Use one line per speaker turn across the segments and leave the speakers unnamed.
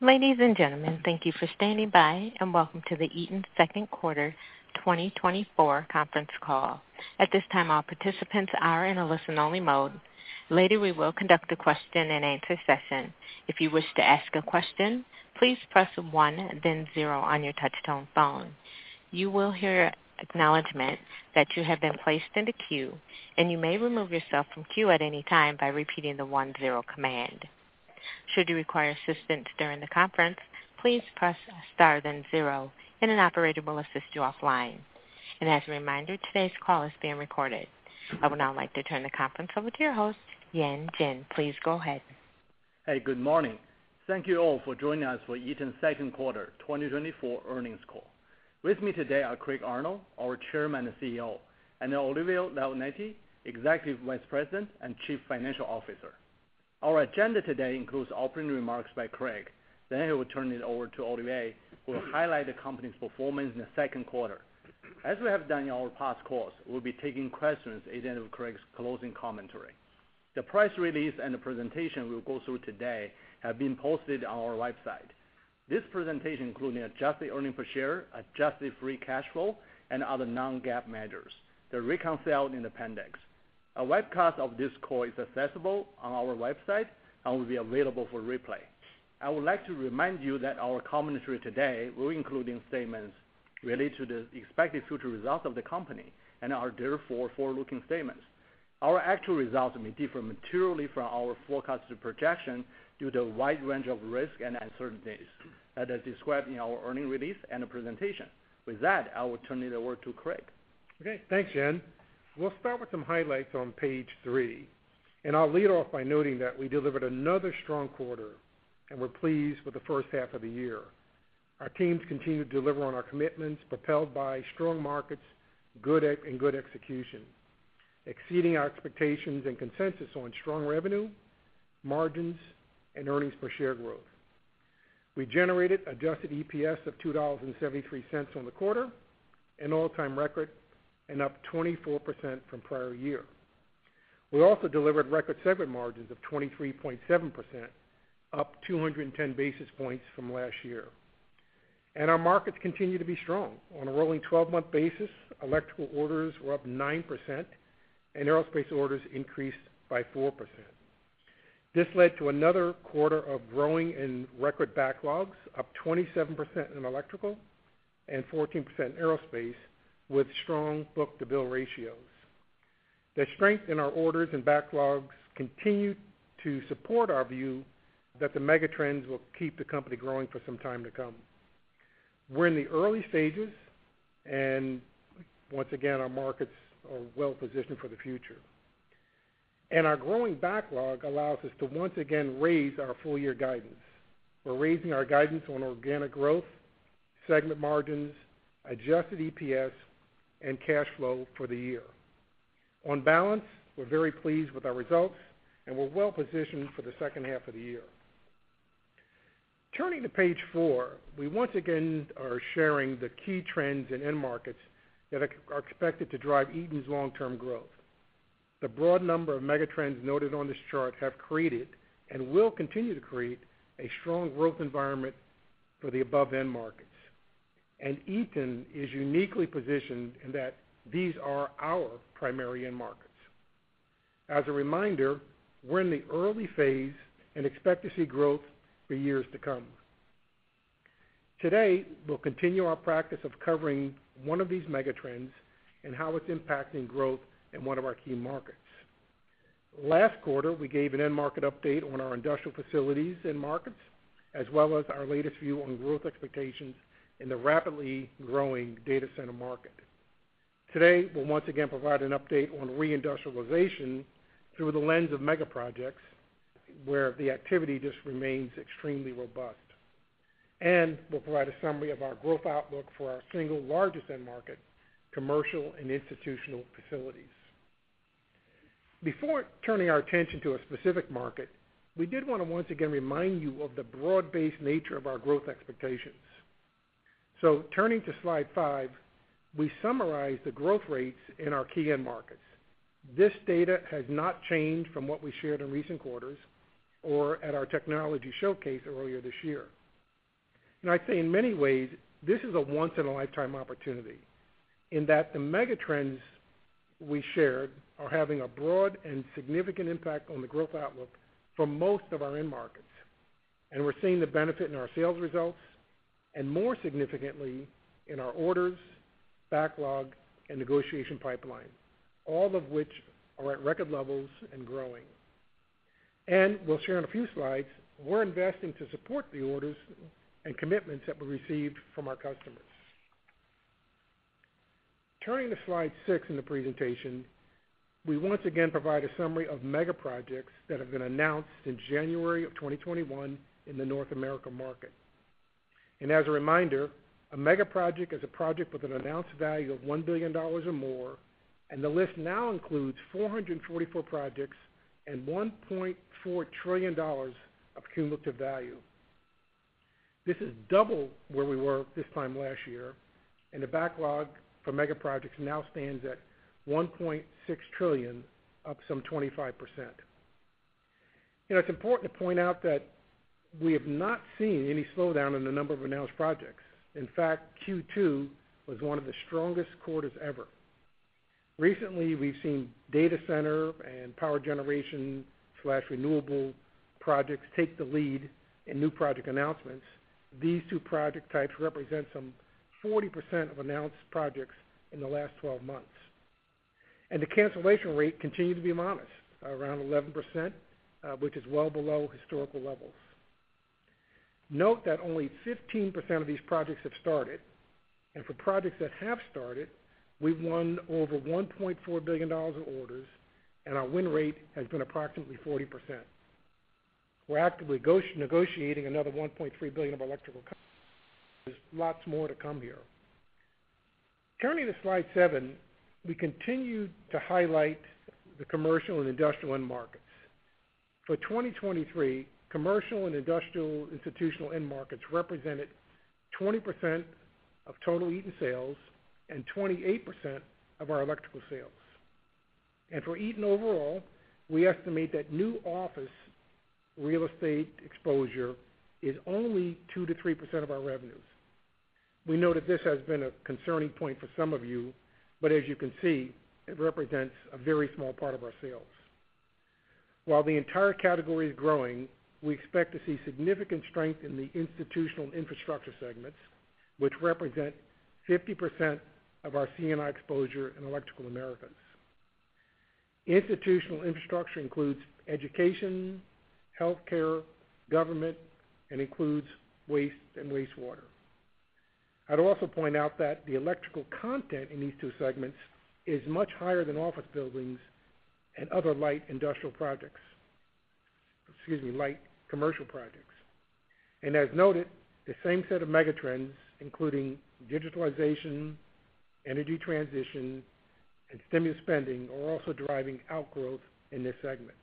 Ladies and gentlemen, thank you for standing by, and welcome to the Eaton second quarter 2024 conference call. At this time, all participants are in a listen-only mode. Later, we will conduct a question-and-answer session. If you wish to ask a question, please press one, then zero on your touchtone phone. You will hear acknowledgement that you have been placed in the queue, and you may remove yourself from queue at any time by repeating the one-zero command. Should you require assistance during the conference, please press star then zero, and an operator will assist you offline. And as a reminder, today's call is being recorded. I would now like to turn the conference over to your host, Yan Jin. Please go ahead.
Hey, good morning. Thank you all for joining us for Eaton's second quarter 2024 earnings call. With me today are Craig Arnold, our Chairman and CEO, and Olivier Leonetti, Executive Vice President and Chief Financial Officer. Our agenda today includes opening remarks by Craig. Then he will turn it over to Olivier, who will highlight the company's performance in the second quarter. As we have done in our past calls, we'll be taking questions at the end of Craig's closing commentary. The press release and the presentation we'll go through today have been posted on our website. This presentation, including adjusted earnings per share, adjusted free cash flow, and other non-GAAP measures. They're reconciled in Appendix. A webcast of this call is accessible on our website and will be available for replay. I would like to remind you that our commentary today will include statements related to the expected future results of the company and are therefore forward-looking statements. Our actual results may differ materially from our forecasted projection due to a wide range of risks and uncertainties that are described in our earnings release and the presentation. With that, I will turn it over to Craig.
Okay, thanks, Yan. We'll start with some highlights on page 3, and I'll lead off by noting that we delivered another strong quarter, and we're pleased with the first half of the year. Our teams continued to deliver on our commitments, propelled by strong markets and good execution, exceeding our expectations and consensus on strong revenue, margins, and earnings per share growth. We generated adjusted EPS of $2.73 on the quarter, an all-time record, and up 24% from prior year. We also delivered record segment margins of 23.7%, up 210 basis points from last year. Our markets continue to be strong. On a rolling 12-month basis, electrical orders were up 9%, and Aerospace orders increased by 4%. This led to another quarter of growing and record backlogs, up 27% in electrical and 14% in Aerospace, with strong book-to-bill ratios. The strength in our orders and backlogs continue to support our view that the megatrends will keep the company growing for some time to come. We're in the early stages, and once again, our markets are well positioned for the future. And our growing backlog allows us to once again raise our full year guidance. We're raising our guidance on organic growth, segment margins, adjusted EPS, and cash flow for the year. On balance, we're very pleased with our results, and we're well positioned for the second half of the year. Turning to page 4, we once again are sharing the key trends in end markets that are expected to drive Eaton's long-term growth. The broad number of megatrends noted on this chart have created and will continue to create a strong growth environment for the above end markets. Eaton is uniquely positioned in that these are our primary end markets. As a reminder, we're in the early phase and expect to see growth for years to come. Today, we'll continue our practice of covering one of these megatrends and how it's impacting growth in one of our key markets. Last quarter, we gave an end market update on our industrial facilities end markets, as well as our latest view on growth expectations in the rapidly growing data center market. Today, we'll once again provide an update on reindustrialization through the lens of mega projects, where the activity just remains extremely robust. We'll provide a summary of our growth outlook for our single largest end market, commercial and institutional facilities. Before turning our attention to a specific market, we did want to once again remind you of the broad-based nature of our growth expectations. So turning to slide 5, we summarize the growth rates in our key end markets. This data has not changed from what we shared in recent quarters or at our technology showcase earlier this year. And I'd say in many ways, this is a once-in-a-lifetime opportunity in that the megatrends we shared are having a broad and significant impact on the growth outlook for most of our end markets. And we're seeing the benefit in our sales results, and more significantly, in our orders, backlog, and negotiation pipeline, all of which are at record levels and growing. And we'll share on a few slides, we're investing to support the orders and commitments that we received from our customers. Turning to slide 6 in the presentation, we once again provide a summary of mega projects that have been announced in January of 2021 in the North America market. As a reminder, a mega project is a project with an announced value of $1 billion or more, and the list now includes 444 projects and $1.4 trillion of cumulative value. This is double where we were this time last year, and the backlog for mega projects now stands at $1.6 trillion, up some 25%. You know, it's important to point out that we have not seen any slowdown in the number of announced projects. In fact, Q2 was one of the strongest quarters ever. Recently, we've seen data center and power generation/renewable projects take the lead in new project announcements. These two project types represent some 40% of announced projects in the last 12 months, and the cancellation rate continues to be modest, around 11%, which is well below historical levels. Note that only 15% of these projects have started, and for projects that have started, we've won over $1.4 billion of orders, and our win rate has been approximately 40%. We're actively negotiating another $1.3 billion of electrical, there's lots more to come here. Turning to slide 7, we continue to highlight the commercial and industrial end markets. For 2023, commercial and industrial institutional end markets represented 20% of total Eaton sales and 28% of our electrical sales. For Eaton overall, we estimate that new office real estate exposure is only 2%-3% of our revenues. We know that this has been a concerning point for some of you, but as you can see, it represents a very small part of our sales. While the entire category is growing, we expect to see significant strength in the Institutional/Infrastructure segments, which represent 50% of our C&I exposure in Electrical Americas. Institutional infrastructure includes education, healthcare, government, and includes waste and wastewater. I'd also point out that the electrical content in these two segments is much higher than office buildings and other light industrial projects. Excuse me, light commercial projects. And as noted, the same set of megatrends, including digitalization, energy transition, and stimulus spending, are also driving outgrowth in this segment,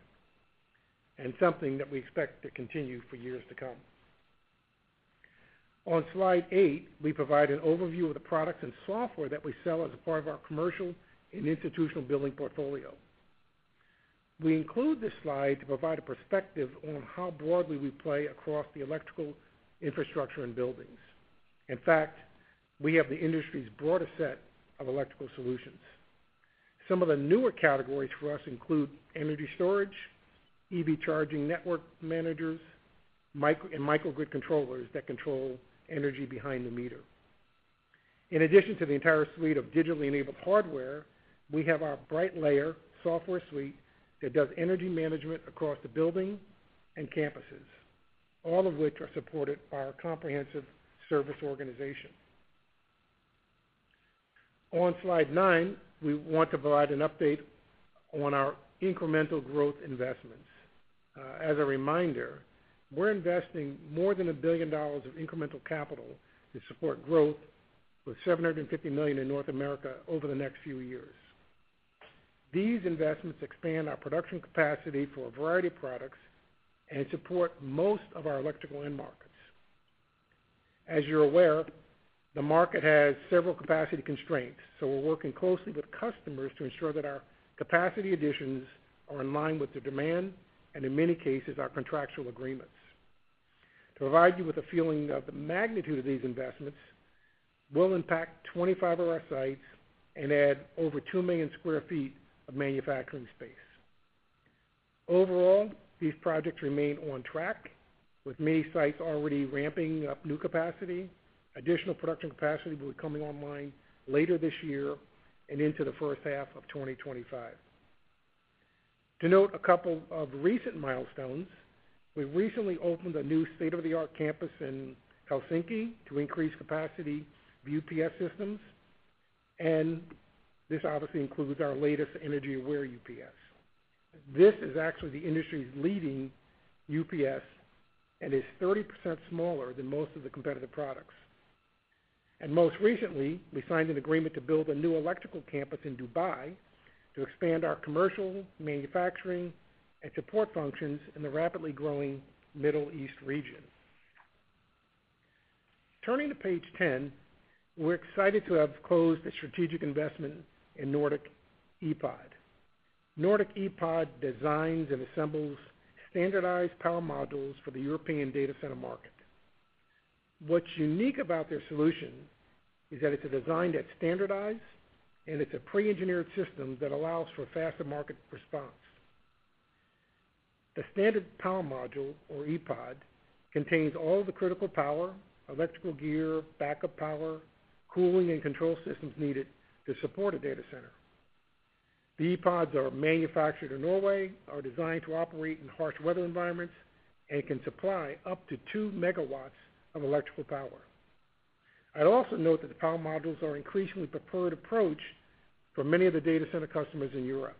and something that we expect to continue for years to come. On slide 8, we provide an overview of the products and software that we sell as a part of our commercial and institutional building portfolio. We include this slide to provide a perspective on how broadly we play across the electrical infrastructure and buildings. In fact, we have the industry's broadest set of electrical solutions. Some of the newer categories for us include energy storage, EV charging network managers, microgrids, and microgrid controllers that control energy behind the meter. In addition to the entire suite of digitally enabled hardware, we have our Brightlayer software suite that does energy management across the building and campuses, all of which are supported by our comprehensive service organization. On slide 9, we want to provide an update on our incremental growth investments. As a reminder, we're investing more than $1 billion of incremental capital to support growth, with $750 million in North America over the next few years. These investments expand our production capacity for a variety of products and support most of our electrical end markets. As you're aware, the market has several capacity constraints, so we're working closely with customers to ensure that our capacity additions are in line with the demand and, in many cases, our contractual agreements. To provide you with a feeling of the magnitude of these investments, we'll impact 25 of our sites and add over 2 million sq ft of manufacturing space. Overall, these projects remain on track, with many sites already ramping up new capacity. Additional production capacity will be coming online later this year and into the first half of 2025. To note a couple of recent milestones, we recently opened a new state-of-the-art campus in Helsinki to increase capacity of UPS systems, and this obviously includes our latest EnergyAware UPS. This is actually the industry's leading UPS and is 30% smaller than most of the competitive products. Most recently, we signed an agreement to build a new electrical campus in Dubai to expand our commercial, manufacturing, and support functions in the rapidly growing Middle East region. Turning to page 10, we're excited to have closed a strategic investment in NordicEPOD. NordicEPOD designs and assembles standardized power modules for the European data center market. What's unique about their solution is that it's a design that's standardized, and it's a pre-engineered system that allows for faster market response. The standard power module, or EPOD, contains all the critical power, electrical gear, backup power, cooling, and control systems needed to support a data center. The EPODs are manufactured in Norway, are designed to operate in harsh weather environments, and can supply up to 2 MW of electrical power. I'd also note that the power modules are increasingly preferred approach for many of the data center customers in Europe,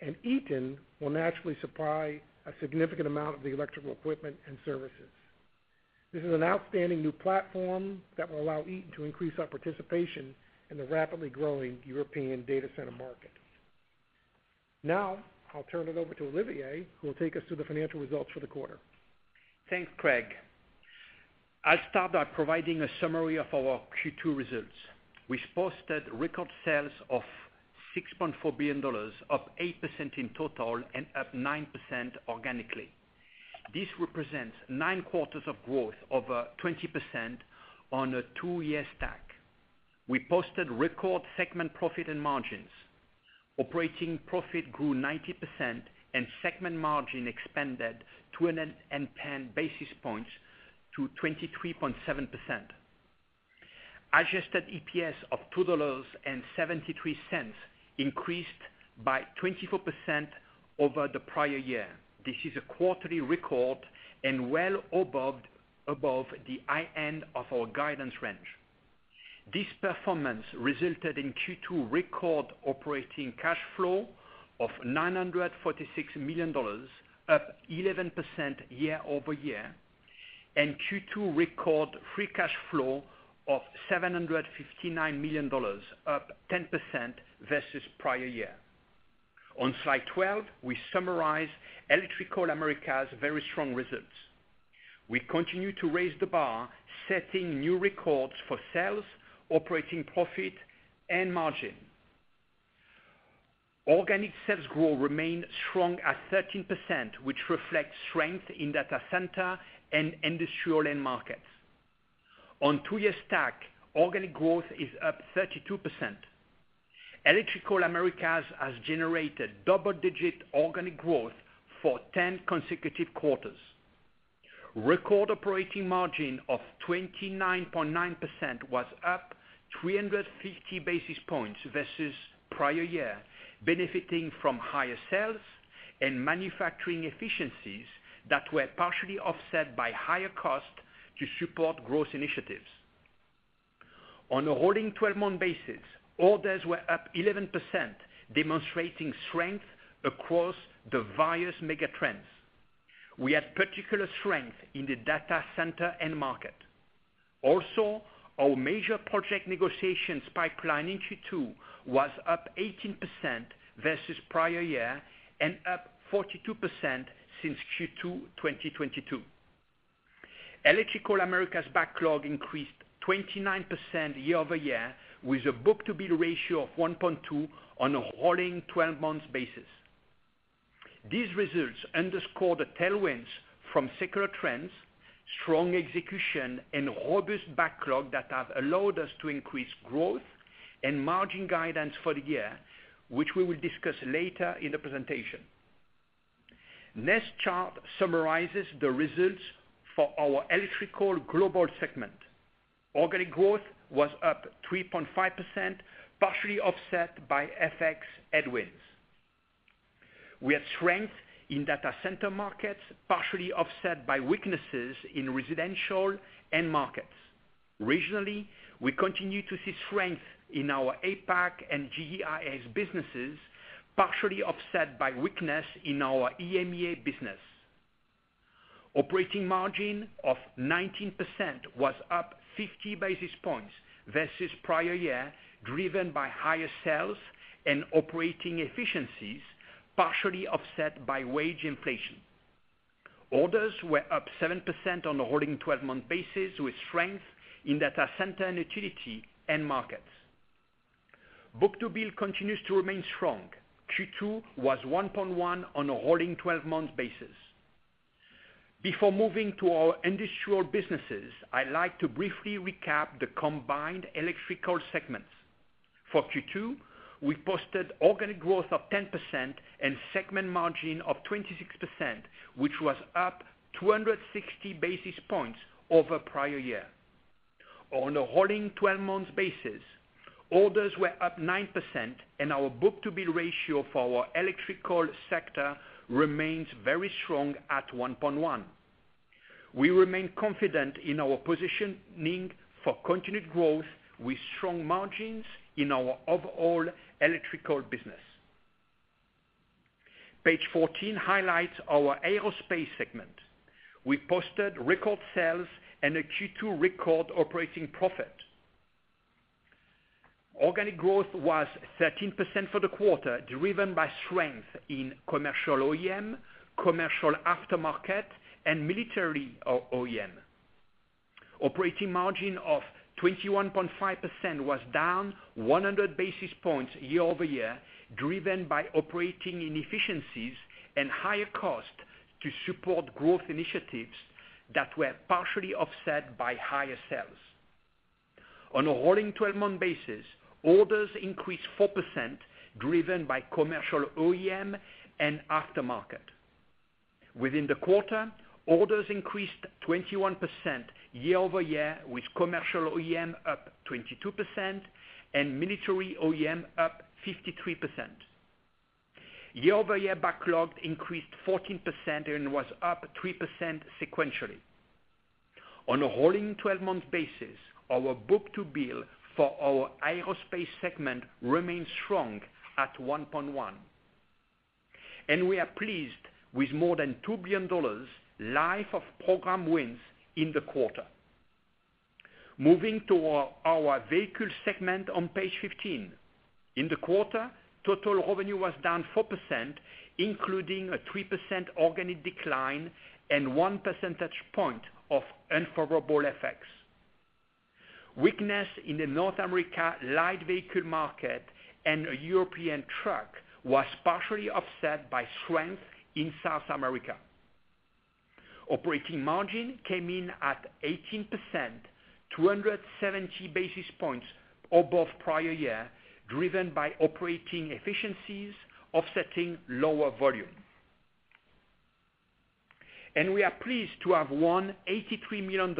and Eaton will naturally supply a significant amount of the electrical equipment and services. This is an outstanding new platform that will allow Eaton to increase our participation in the rapidly growing European data center market. Now, I'll turn it over to Olivier, who will take us through the financial results for the quarter.
Thanks, Craig. I'll start by providing a summary of our Q2 results. We posted record sales of $6.4 billion, up 8% in total and up 9% organically. This represents 9 quarters of growth, over 20% on a 2-year stack. We posted record segment profit and margins. Operating profit grew 90%, and segment margin expanded 210 basis points to 23.7%. Adjusted EPS of $2.73 increased by 24% over the prior year. This is a quarterly record and well above the high end of our guidance range. This performance resulted in Q2 record operating cash flow of $946 million, up 11% year-over-year, and Q2 record free cash flow of $759 million, up 10% versus prior year. On slide 12, we summarize Electrical Americas' very strong results. We continue to raise the bar, setting new records for sales, operating profit, and margin. Organic sales growth remained strong at 13%, which reflects strength in data center and industrial end markets. On 2-year stack, organic growth is up 32%. Electrical Americas has generated double-digit organic growth for 10 consecutive quarters. Record operating margin of 29.9% was up 350 basis points versus prior year, benefiting from higher sales and manufacturing efficiencies that were partially offset by higher costs to support growth initiatives. On a rolling 12-month basis, orders were up 11%, demonstrating strength across the various megatrends. We had particular strength in the data center end market. Also, our major project negotiations pipeline in Q2 was up 18% versus prior year and up 42% since Q2 2022. Electrical Americas' backlog increased 29% year-over-year, with a book-to-bill ratio of 1.2 on a rolling 12-month basis. These results underscore the tailwinds from secular trends, strong execution, and robust backlog that have allowed us to increase growth and margin guidance for the year, which we will discuss later in the presentation. Next chart summarizes the results for our Electrical Global segment. Organic growth was up 3.5%, partially offset by FX headwinds. We had strength in data center markets, partially offset by weaknesses in residential end markets. Regionally, we continue to see strength in our APAC and GEIS businesses, partially offset by weakness in our EMEA business. Operating margin of 19% was up 50 basis points versus prior year, driven by higher sales and operating efficiencies, partially offset by wage inflation. Orders were up 7% on a rolling 12-month basis, with strength in data center and utility end markets. Book-to-bill continues to remain strong. Q2 was 1.1 on a rolling 12-month basis. Before moving to our industrial businesses, I'd like to briefly recap the combined Electrical segments. For Q2, we posted organic growth of 10% and segment margin of 26%, which was up 260 basis points over prior year. On a rolling 12-month basis, orders were up 9%, and our book-to-bill ratio for our electrical sector remains very strong at 1.1. We remain confident in our positioning for continued growth with strong margins in our overall electrical business. Page 14 highlights our Aerospace segment. We posted record sales and a Q2 record operating profit. Organic growth was 13% for the quarter, driven by strength in Commercial OEM, Commercial Aftermarket, and Military OEM. Operating margin of 21.5% was down 100 basis points year-over-year, driven by operating inefficiencies and higher cost to support growth initiatives that were partially offset by higher sales. On a rolling 12-month basis, orders increased 4%, driven by Commercial OEM and Aftermarket. Within the quarter, orders increased 21% year-over-year, with Commercial OEM up 22% and Military OEM up 53%. Year-over-year backlog increased 14% and was up 3% sequentially. On a rolling 12-month basis, our book-to-bill for our Aerospace segment remains strong at 1.1, and we are pleased with more than $2 billion life of program wins in the quarter. Moving to our Vehicle segment on page 15. In the quarter, total revenue was down 4%, including a 3% organic decline and one percentage point of unfavorable effects. Weakness in the North America light vehicle market and European truck was partially offset by strength in South America. Operating margin came in at 18%, 270 basis points above prior year, driven by operating efficiencies offsetting lower volume. We are pleased to have won $83 million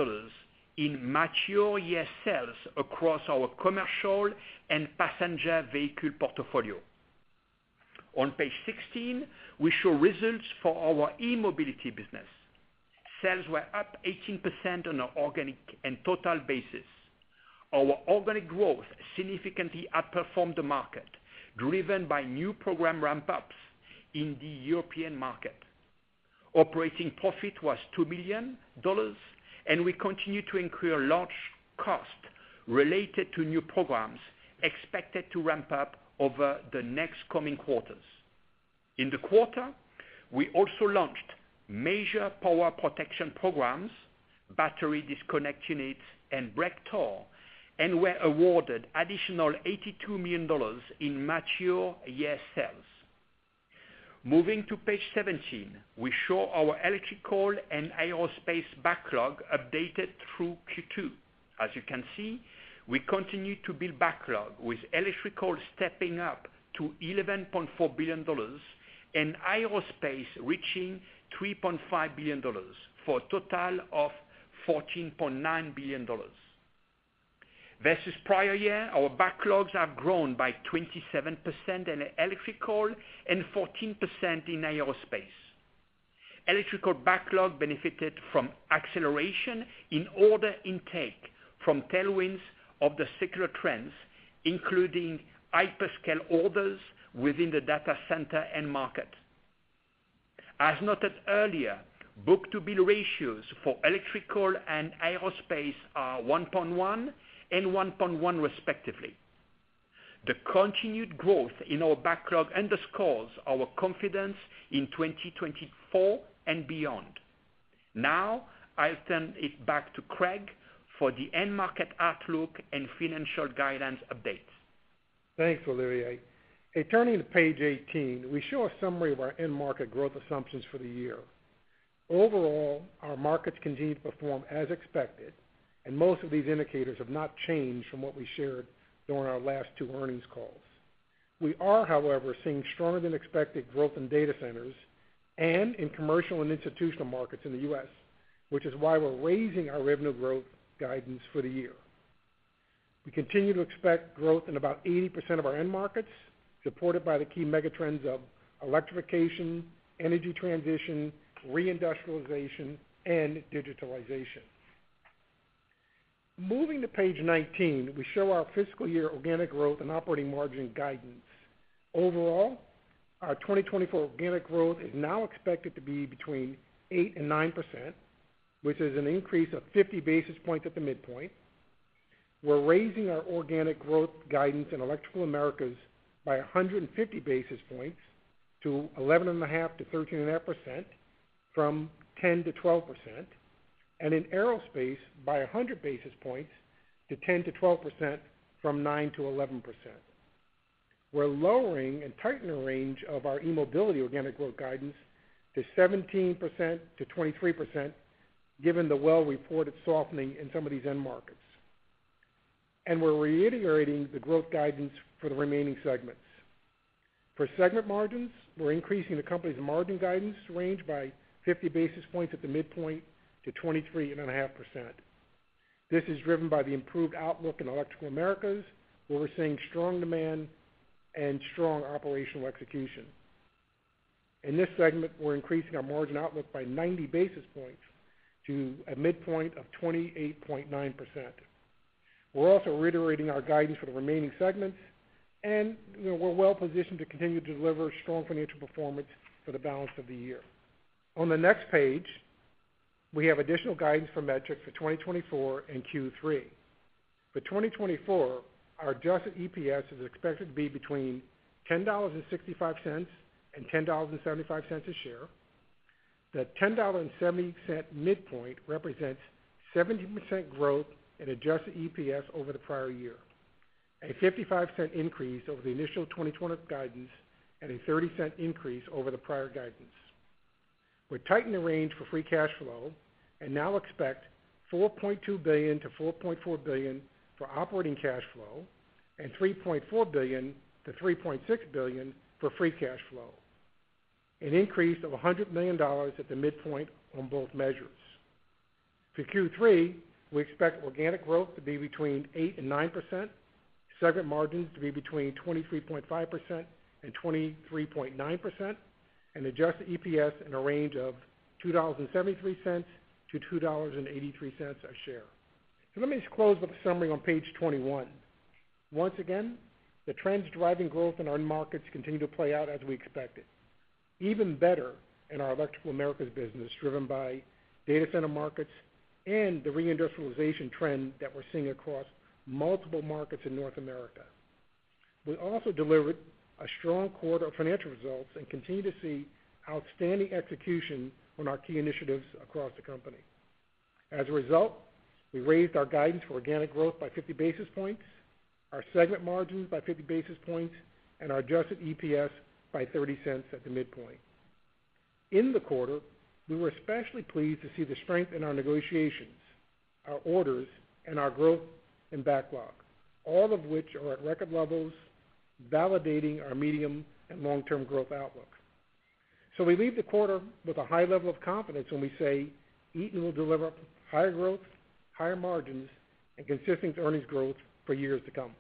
in multi-year sales across our commercial and passenger vehicle portfolio. On page 16, we show results for our eMobility business. Sales were up 18% on an organic and total basis. Our organic growth significantly outperformed the market, driven by new program ramp-ups in the European market. Operating profit was $2 million, and we continue to incur launch costs related to new programs expected to ramp up over the next coming quarters. In the quarter, we also launched major power protection programs, battery disconnect units, and breaker, and were awarded additional $82 million in multi-year sales. Moving to page 17, we show our Electrical and Aerospace backlog updated through Q2. As you can see, we continue to build backlog, with Electrical stepping up to $11.4 billion and Aerospace reaching $3.5 billion, for a total of $14.9 billion. Versus prior year, our backlogs have grown by 27% in Electrical and 14% in Aerospace. Electrical backlog benefited from acceleration in order intake from tailwinds of the secular trends, including hyperscale orders within the data center end market. As noted earlier, book-to-bill ratios for Electrical and Aerospace are 1.1 and 1.1, respectively. The continued growth in our backlog underscores our confidence in 2024 and beyond. Now, I'll turn it back to Craig for the end market outlook and financial guidance updates.
Thanks, Olivier. In turning to page 18, we show a summary of our end market growth assumptions for the year. Overall, our markets continue to perform as expected, and most of these indicators have not changed from what we shared during our last two earnings calls. We are, however, seeing stronger than expected growth in data centers and in commercial and institutional markets in the U.S., which is why we're raising our revenue growth guidance for the year. We continue to expect growth in about 80% of our end markets, supported by the key megatrends of electrification, energy transition, reindustrialization, and digitalization. Moving to page 19, we show our fiscal year organic growth and operating margin guidance. Overall, our 2024 organic growth is now expected to be between 8%-9%, which is an increase of 50 basis points at the midpoint. We're raising our organic growth guidance in Electrical Americas by 150 basis points to 11.5%-13.5%, from 10%-12%, and in Aerospace by 100 basis points to 10%-12%, from 9%-11%. We're lowering and tightening the range of our eMobility organic growth guidance to 17%-23%, given the well-reported softening in some of these end markets. And we're reiterating the growth guidance for the remaining segments. For segment margins, we're increasing the company's margin guidance range by 50 basis points at the midpoint to 23.5%. This is driven by the improved outlook in Electrical Americas, where we're seeing strong demand and strong operational execution. In this segment, we're increasing our margin outlook by 90 basis points to a midpoint of 28.9%. We're also reiterating our guidance for the remaining segments, and, you know, we're well positioned to continue to deliver strong financial performance for the balance of the year. On the next page, we have additional guidance for metrics for 2024 and Q3. For 2024, our adjusted EPS is expected to be between $10.65 and $10.75 a share. The $10.70 midpoint represents 17% growth in adjusted EPS over the prior year, a $0.55 increase over the initial 2020 guidance, and a $0.30 increase over the prior guidance. We tighten the range for free cash flow and now expect $4.2 billion-$4.4 billion for operating cash flow and $3.4 billion-$3.6 billion for free cash flow, an increase of $100 million at the midpoint on both measures. For Q3, we expect organic growth to be between 8% and 9%, segment margins to be between 23.5% and 23.9%, and adjusted EPS in a range of $2.73-$2.83 a share. So let me just close with a summary on page 21. Once again, the trends driving growth in our markets continue to play out as we expected. Even better, in our Electrical Americas business, driven by data center markets and the reindustrialization trend that we're seeing across multiple markets in North America. We also delivered a strong quarter of financial results and continue to see outstanding execution on our key initiatives across the company. As a result, we raised our guidance for organic growth by 50 basis points, our segment margins by 50 basis points, and our adjusted EPS by $0.30 at the midpoint. In the quarter, we were especially pleased to see the strength in our negotiations, our orders, and our growth and backlog, all of which are at record levels, validating our medium and long-term growth outlook. So we leave the quarter with a high level of confidence when we say, Eaton will deliver higher growth, higher margins, and consistent earnings growth for years to come.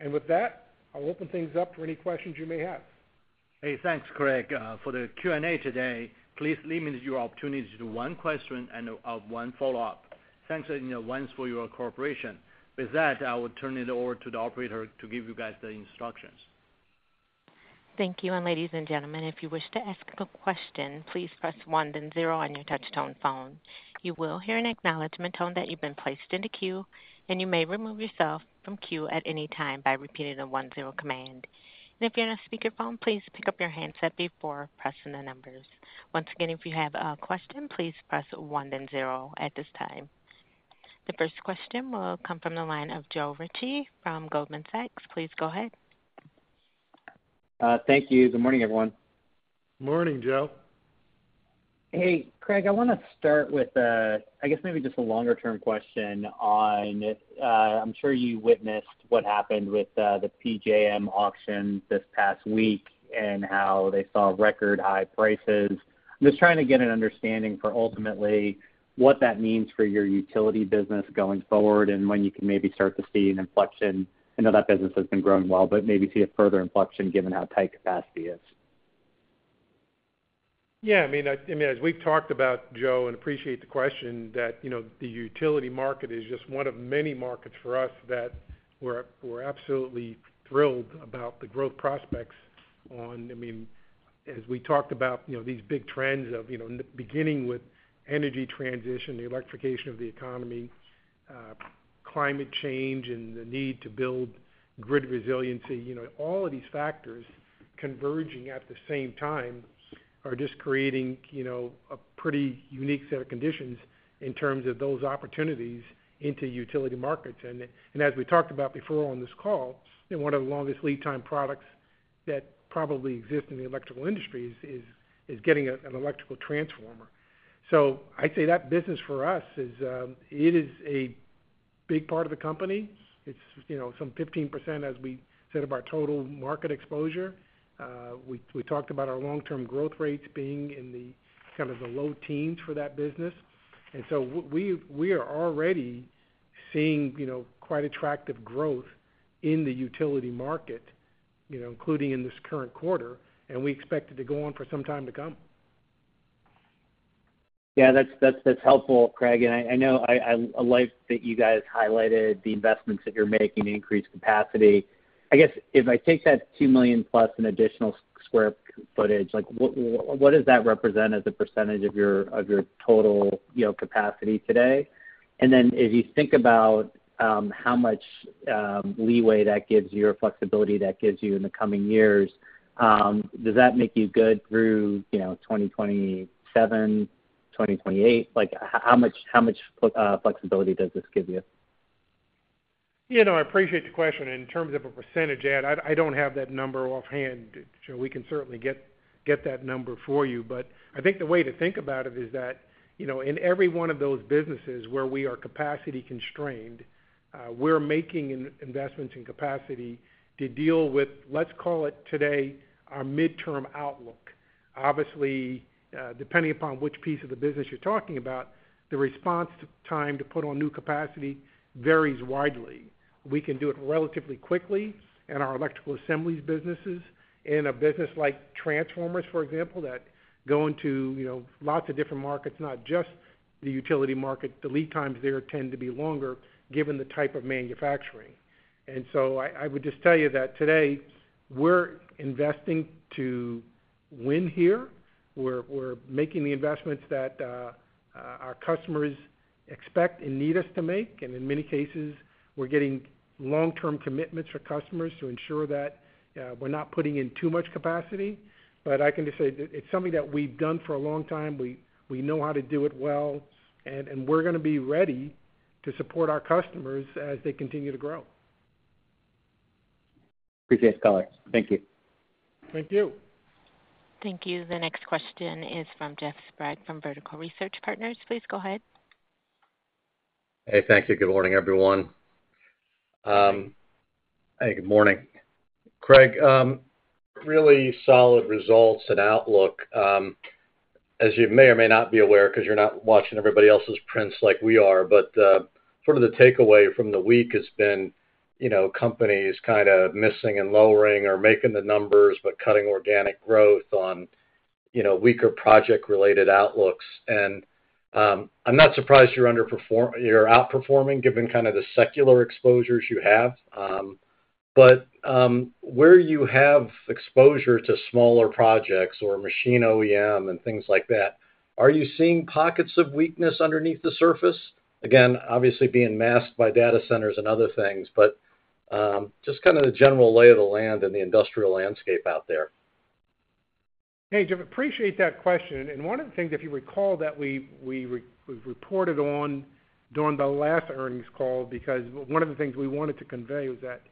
And with that, I'll open things up for any questions you may have.
Hey, thanks, Craig. For the Q&A today, please limit your opportunity to one question and one follow-up. Thanks in advance for your cooperation. With that, I will turn it over to the operator to give you guys the instructions.
Thank you. Ladies and gentlemen, if you wish to ask a question, please press one then zero on your touch tone phone. You will hear an acknowledgment tone that you've been placed in the queue, and you may remove yourself from queue at any time by repeating the one-zero command. If you're on a speakerphone, please pick up your handset before pressing the numbers. Once again, if you have a question, please press one then zero at this time. The first question will come from the line of Joe Ritchie from Goldman Sachs. Please go ahead.
Thank you. Good morning, everyone.
Morning, Joe.
Hey, Craig, I want to start with, I guess maybe just a longer-term question on, I'm sure you witnessed what happened with, the PJM auction this past week and how they saw record-high prices. I'm just trying to get an understanding for ultimately what that means for your utility business going forward and when you can maybe start to see an inflection. I know that business has been growing well, but maybe see a further inflection given how tight capacity is.
Yeah, I mean, as we've talked about, Joe, and appreciate the question, that, you know, the utility market is just one of many markets for us that we're absolutely thrilled about the growth prospects on. I mean, as we talked about, you know, these big trends of, you know, beginning with energy transition, the electrification of the economy, climate change, and the need to build grid resiliency. You know, all of these factors converging at the same time are just creating, you know, a pretty unique set of conditions in terms of those opportunities into utility markets. And, as we talked about before on this call, one of the longest lead time products that probably exists in the electrical industry is getting an electrical transformer. So I'd say that business for us is, it is a big part of the company. It's, you know, some 15%, as we said, of our total market exposure. We talked about our long-term growth rates being in the kind of the low teens for that business. And so we are already seeing, you know, quite attractive growth in the utility market, you know, including in this current quarter, and we expect it to go on for some time to come.
Yeah, that's, that's, that's helpful, Craig. And I know I like that you guys highlighted the investments that you're making to increase capacity. I guess if I take that 2+ million in additional square footage, like, what does that represent as a percentage of your total, you know, capacity today? And then as you think about how much leeway that gives you or flexibility that gives you in the coming years, does that make you good through, you know, 2027, 2028? Like, how much flexibility does this give you?
You know, I appreciate the question. In terms of a percentage, [Ed], I don't have that number offhand. So we can certainly get that number for you. But I think the way to think about it is that, you know, in every one of those businesses where we are capacity constrained, we're making investments in capacity to deal with, let's call it today, our midterm outlook. Obviously, depending upon which piece of the business you're talking about, the response time to put on new capacity varies widely. We can do it relatively quickly in our electrical assemblies businesses. In a business like transformers, for example, that go into, you know, lots of different markets, not just the utility market, the lead times there tend to be longer given the type of manufacturing. And so I would just tell you that today, we're investing to win here. We're making the investments that our customers expect and need us to make, and in many cases, we're getting long-term commitments from customers to ensure that we're not putting in too much capacity. But I can just say it's something that we've done for a long time. We know how to do it well, and we're going to be ready to support our customers as they continue to grow.
Appreciate its color. Thank you.
Thank you.
Thank you. The next question is from Jeff Sprague from Vertical Research Partners. Please go ahead.
Hey, thank you. Good morning, everyone.
Hey, good morning.
Craig, really solid results and outlook. As you may or may not be aware, because you're not watching everybody else's prints like we are, but sort of the takeaway from the week has been, you know, companies kind of missing and lowering or making the numbers, but cutting organic growth on-... you know, weaker project-related outlooks. And, I'm not surprised you're outperforming, given kind of the secular exposures you have. But, where you have exposure to smaller projects or machine OEM and things like that, are you seeing pockets of weakness underneath the surface? Again, obviously being masked by data centers and other things, but, just kind of the general lay of the land and the industrial landscape out there.
Hey, Jeff, appreciate that question. One of the things, if you recall, that we've reported on during the last earnings call, because one of the things we wanted to convey was that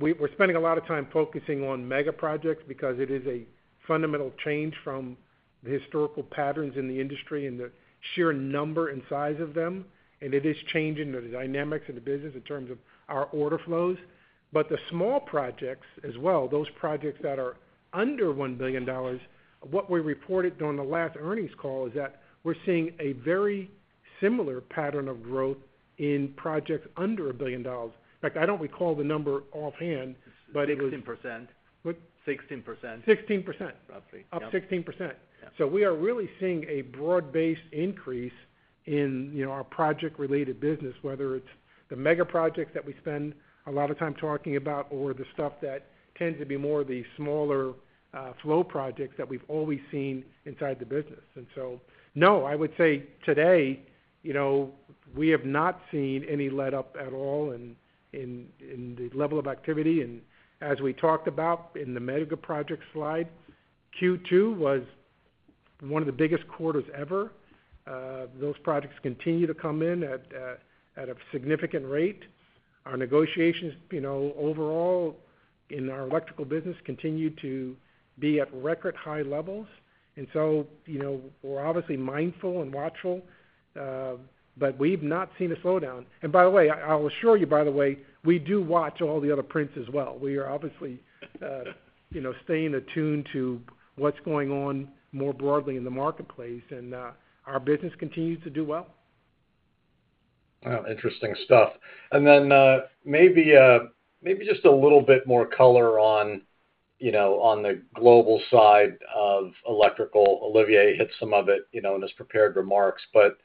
we're spending a lot of time focusing on mega projects because it is a fundamental change from the historical patterns in the industry and the sheer number and size of them, and it is changing the dynamics of the business in terms of our order flows. But the small projects as well, those projects that are under $1 billion, what we reported during the last earnings call is that we're seeing a very similar pattern of growth in projects under $1 billion. In fact, I don't recall the number offhand, but it was
16%.
What?
16%.
16%?
Roughly, yep.
Up 16%.
Yeah.
So we are really seeing a broad-based increase in, you know, our project-related business, whether it's the mega projects that we spend a lot of time talking about or the stuff that tends to be more of the smaller, flow projects that we've always seen inside the business. And so, no, I would say today, you know, we have not seen any letup at all in the level of activity. And as we talked about in the mega project slide, Q2 was one of the biggest quarters ever. Those projects continue to come in at a significant rate. Our negotiations, you know, overall in our Electrical business continue to be at record high levels. And so, you know, we're obviously mindful and watchful, but we've not seen a slowdown. And by the way, I'll assure you, by the way, we do watch all the other prints as well. We are obviously, you know, staying attuned to what's going on more broadly in the marketplace, and, our business continues to do well.
Wow, interesting stuff. And then, maybe, maybe just a little bit more color on, you know, on the global side of Electrical. Olivier hit some of it, you know, in his prepared remarks, but,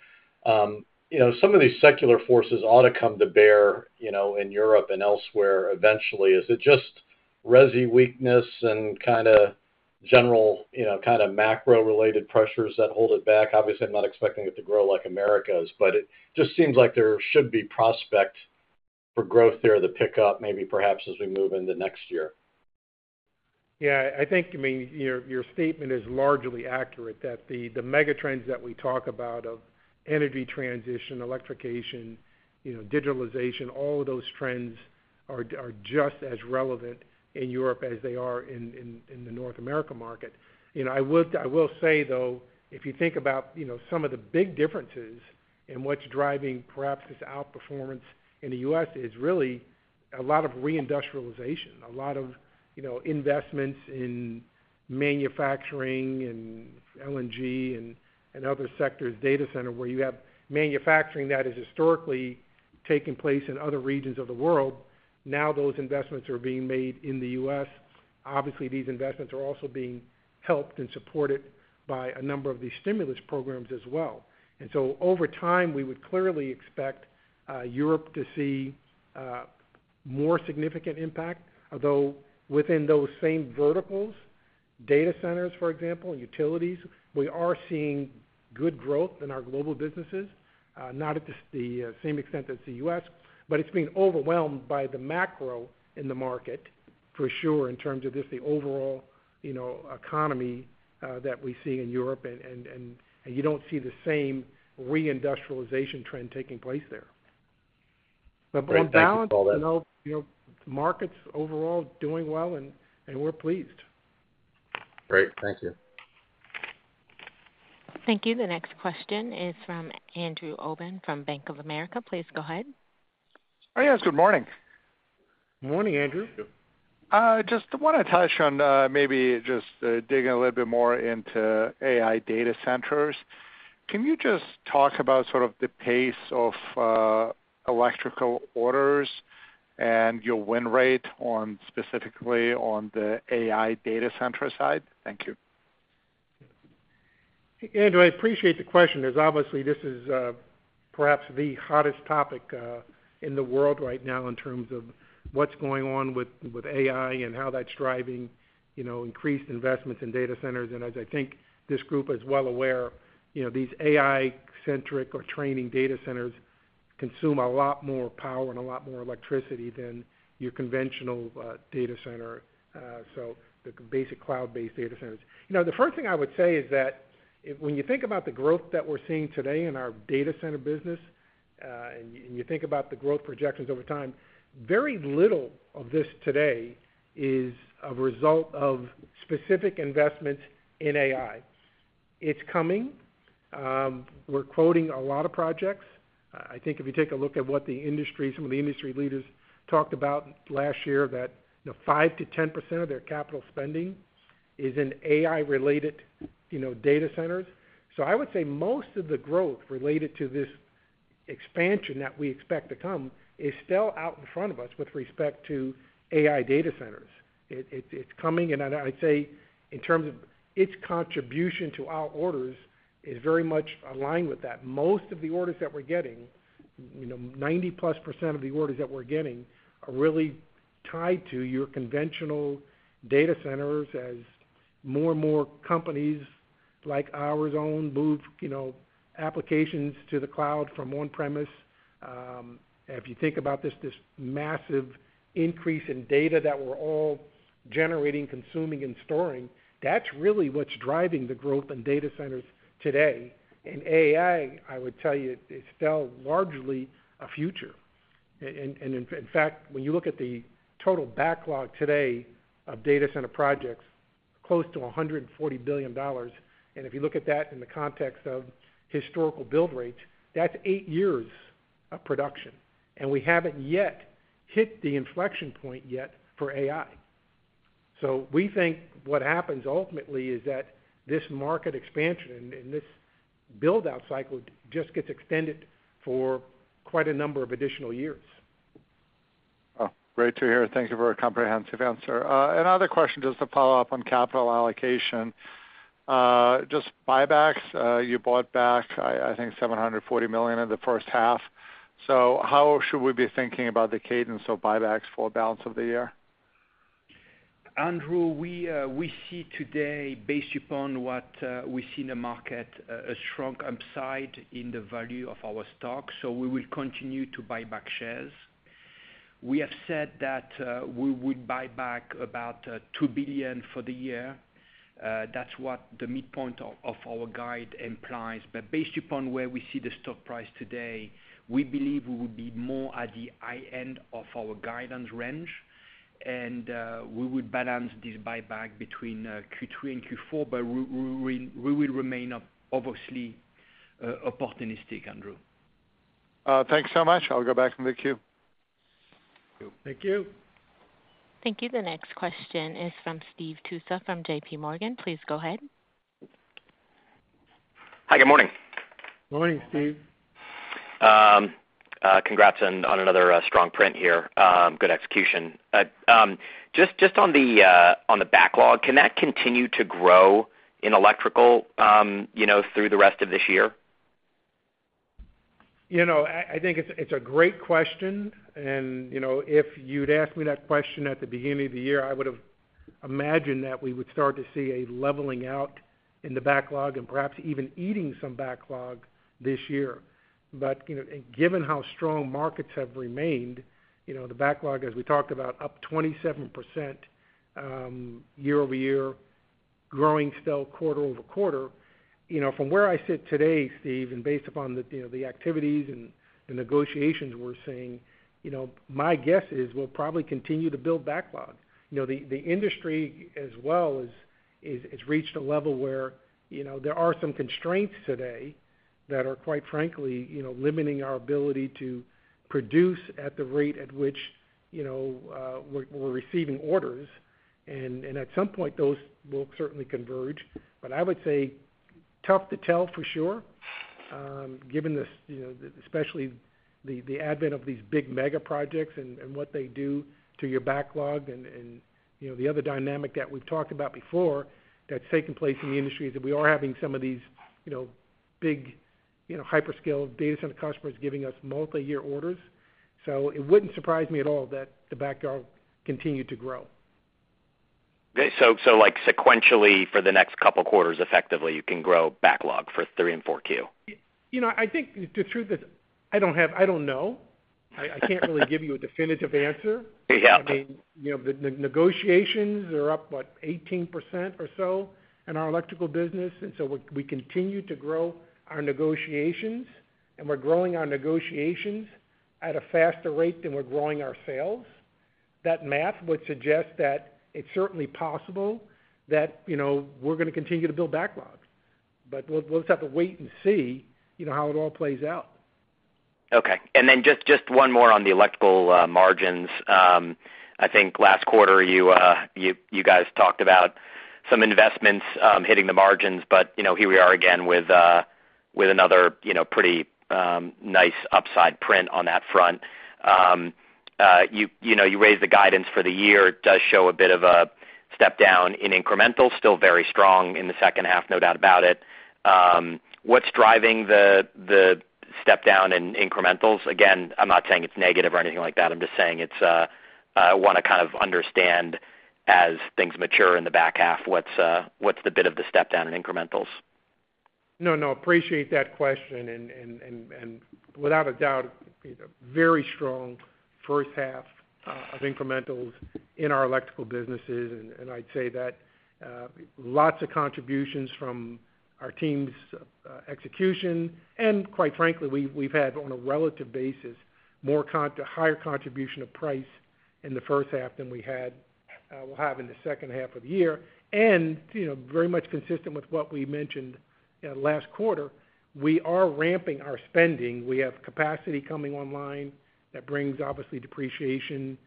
you know, some of these secular forces ought to come to bear, you know, in Europe and elsewhere eventually. Is it just resi weakness and kind of general, you know, kind of macro-related pressures that hold it back? Obviously, I'm not expecting it to grow like Americas, but it just seems like there should be prospect for growth there to pick up, maybe, perhaps as we move into next year.
Yeah, I think, I mean, your, your statement is largely accurate, that the, the megatrends that we talk about of energy transition, electrification, you know, digitalization, all of those trends are, are just as relevant in Europe as they are in, in, in the North America market. You know, I would—I will say, though, if you think about, you know, some of the big differences in what's driving, perhaps, this outperformance in the U.S., is really a lot of reindustrialization, a lot of, you know, investments in manufacturing and LNG and, and other sectors, data center, where you have manufacturing that has historically taken place in other regions of the world. Now, those investments are being made in the U.S. Obviously, these investments are also being helped and supported by a number of these stimulus programs as well. And so over time, we would clearly expect Europe to see more significant impact. Although within those same verticals, data centers, for example, utilities, we are seeing good growth in our global businesses, not at the same extent as the U.S., but it's being overwhelmed by the macro in the market, for sure, in terms of just the overall, you know, economy that we see in Europe, and you don't see the same reindustrialization trend taking place there.
Great. Thank you, Paul-
On balance, you know, you know, markets overall doing well, and we're pleased.
Great. Thank you.
Thank you. The next question is from Andrew Obin from Bank of America. Please go ahead.
Oh, yes, good morning.
Morning, Andrew.
Just want to touch on, maybe just digging a little bit more into AI data centers. Can you just talk about sort of the pace of electrical orders and your win rate on, specifically on the AI data center side? Thank you.
Andrew, I appreciate the question, as obviously this is perhaps the hottest topic in the world right now in terms of what's going on with AI and how that's driving, you know, increased investments in data centers. As I think this group is well aware, you know, these AI-centric or training data centers consume a lot more power and a lot more electricity than your conventional data center, so the basic cloud-based data centers. You know, the first thing I would say is that when you think about the growth that we're seeing today in our data center business, and you think about the growth projections over time, very little of this today is a result of specific investments in AI. It's coming. We're quoting a lot of projects. I think if you take a look at what the industry, some of the industry leaders talked about last year, that, you know, 5%-10% of their capital spending is in AI-related, you know, data centers. So I would say most of the growth related to this expansion that we expect to come is still out in front of us with respect to AI data centers. It, it, it's coming, and I'd, I'd say in terms of its contribution to our orders is very much aligned with that. Most of the orders that we're getting, you know, 90%+ of the orders that we're getting, are really tied to your conventional data centers as more and more companies like our own move, you know, applications to the cloud from on-premise. If you think about this, this massive increase in data that we're all generating, consuming, and storing, that's really what's driving the growth in data centers today. And AI, I would tell you, is still largely a future. And in fact, when you look at the total backlog today of data center projects, close to $140 billion, and if you look at that in the context of historical build rates, that's eight years of production, and we haven't yet hit the inflection point yet for AI. So we think what happens ultimately is that this market expansion and this build-out cycle just gets extended for quite a number of additional years.
Oh, great to hear. Thank you for a comprehensive answer. Another question, just to follow up on capital allocation, just buybacks. You bought back, I, I think, $740 million in the first half. So how should we be thinking about the cadence of buybacks for the balance of the year?
Andrew, we see today, based upon what we see in the market, a strong upside in the value of our stock, so we will continue to buy back shares. We have said that we would buy back about $2 billion for the year. That's what the midpoint of our guide implies. But based upon where we see the stock price today, we believe we will be more at the high end of our guidance range, and we would balance this buyback between Q3 and Q4, but we will remain obviously opportunistic, Andrew.
Thanks so much. I'll go back in the queue.
Thank you.
Thank you. The next question is from Steve Tusa from JPMorgan. Please go ahead.
Hi, good morning.
Morning, Steve.
Congrats on another strong print here. Good execution. Just on the backlog, can that continue to grow in Electrical, you know, through the rest of this year?
You know, I, I think it's, it's a great question, and, you know, if you'd asked me that question at the beginning of the year, I would've imagined that we would start to see a leveling out in the backlog and perhaps even eating some backlog this year. But, you know, and given how strong markets have remained, you know, the backlog, as we talked about, up 27%, year-over-year, growing still quarter-over-quarter. You know, from where I sit today, Steve, and based upon the, you know, the activities and the negotiations we're seeing, you know, my guess is we'll probably continue to build backlog. You know, the industry as well is, it's reached a level where, you know, there are some constraints today that are, quite frankly, you know, limiting our ability to produce at the rate at which, you know, we're receiving orders. And at some point, those will certainly converge. But I would say, tough to tell for sure, given this, you know, especially the advent of these big mega projects and what they do to your backlog. And, you know, the other dynamic that we've talked about before that's taken place in the industry is that we are having some of these, you know, big, you know, hyperscale data center customers giving us multiyear orders. So it wouldn't surprise me at all that the backlog continued to grow.
Great. So, like, sequentially for the next couple quarters, effectively, you can grow backlog for three and four Q?
You know, I think the truth is I don't have... I don't know. I can't really give you a definitive answer.
Yeah.
I mean, you know, the negotiations are up, what, 18% or so in our Electrical business, and so we continue to grow our negotiations, and we're growing our negotiations at a faster rate than we're growing our sales. That math would suggest that it's certainly possible that, you know, we're gonna continue to build backlog. But we'll just have to wait and see, you know, how it all plays out.
Okay. And then just one more on the Electrical margins. I think last quarter, you guys talked about some investments hitting the margins, but you know, here we are again with another you know pretty nice upside print on that front. You know, you raised the guidance for the year. It does show a bit of a step down in incremental. Still very strong in the second half, no doubt about it. What's driving the step down in incrementals? Again, I'm not saying it's negative or anything like that. I'm just saying it's I wanna kind of understand as things mature in the back half, what's the bit of the step down in incrementals?
No, no, appreciate that question, and without a doubt, a very strong first half of incrementals in our Electrical businesses. And I'd say that lots of contributions from our team's execution, and quite frankly, we've had, on a relative basis, more higher contribution of price in the first half than we had we'll have in the second half of the year. And, you know, very much consistent with what we mentioned last quarter, we are ramping our spending. We have capacity coming online that brings obviously depreciation,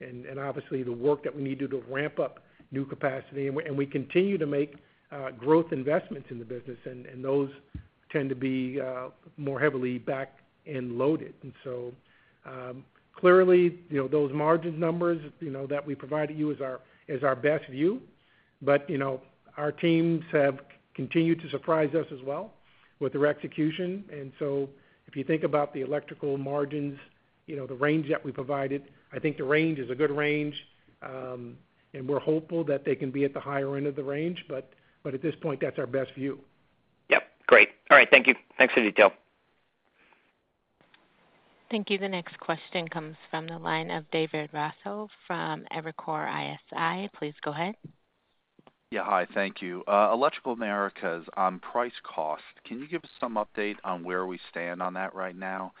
and obviously the work that we need to ramp up new capacity. And we continue to make growth investments in the business, and those tend to be more heavily backed and loaded. Clearly, you know, those margin numbers, you know, that we provide to you is our best view. Our teams have continued to surprise us as well with their execution. If you think about the electrical margins, you know, the range that we provided, I think the range is a good range, and we're hopeful that they can be at the higher end of the range, but at this point, that's our best view.
Yep. Great. All right, thank you. Thanks for the detail.
Thank you. The next question comes from the line of David Raso from Evercore ISI. Please go ahead.
Yeah, hi, thank you. Electrical Americas on price cost, can you give us some update on where we stand on that right now?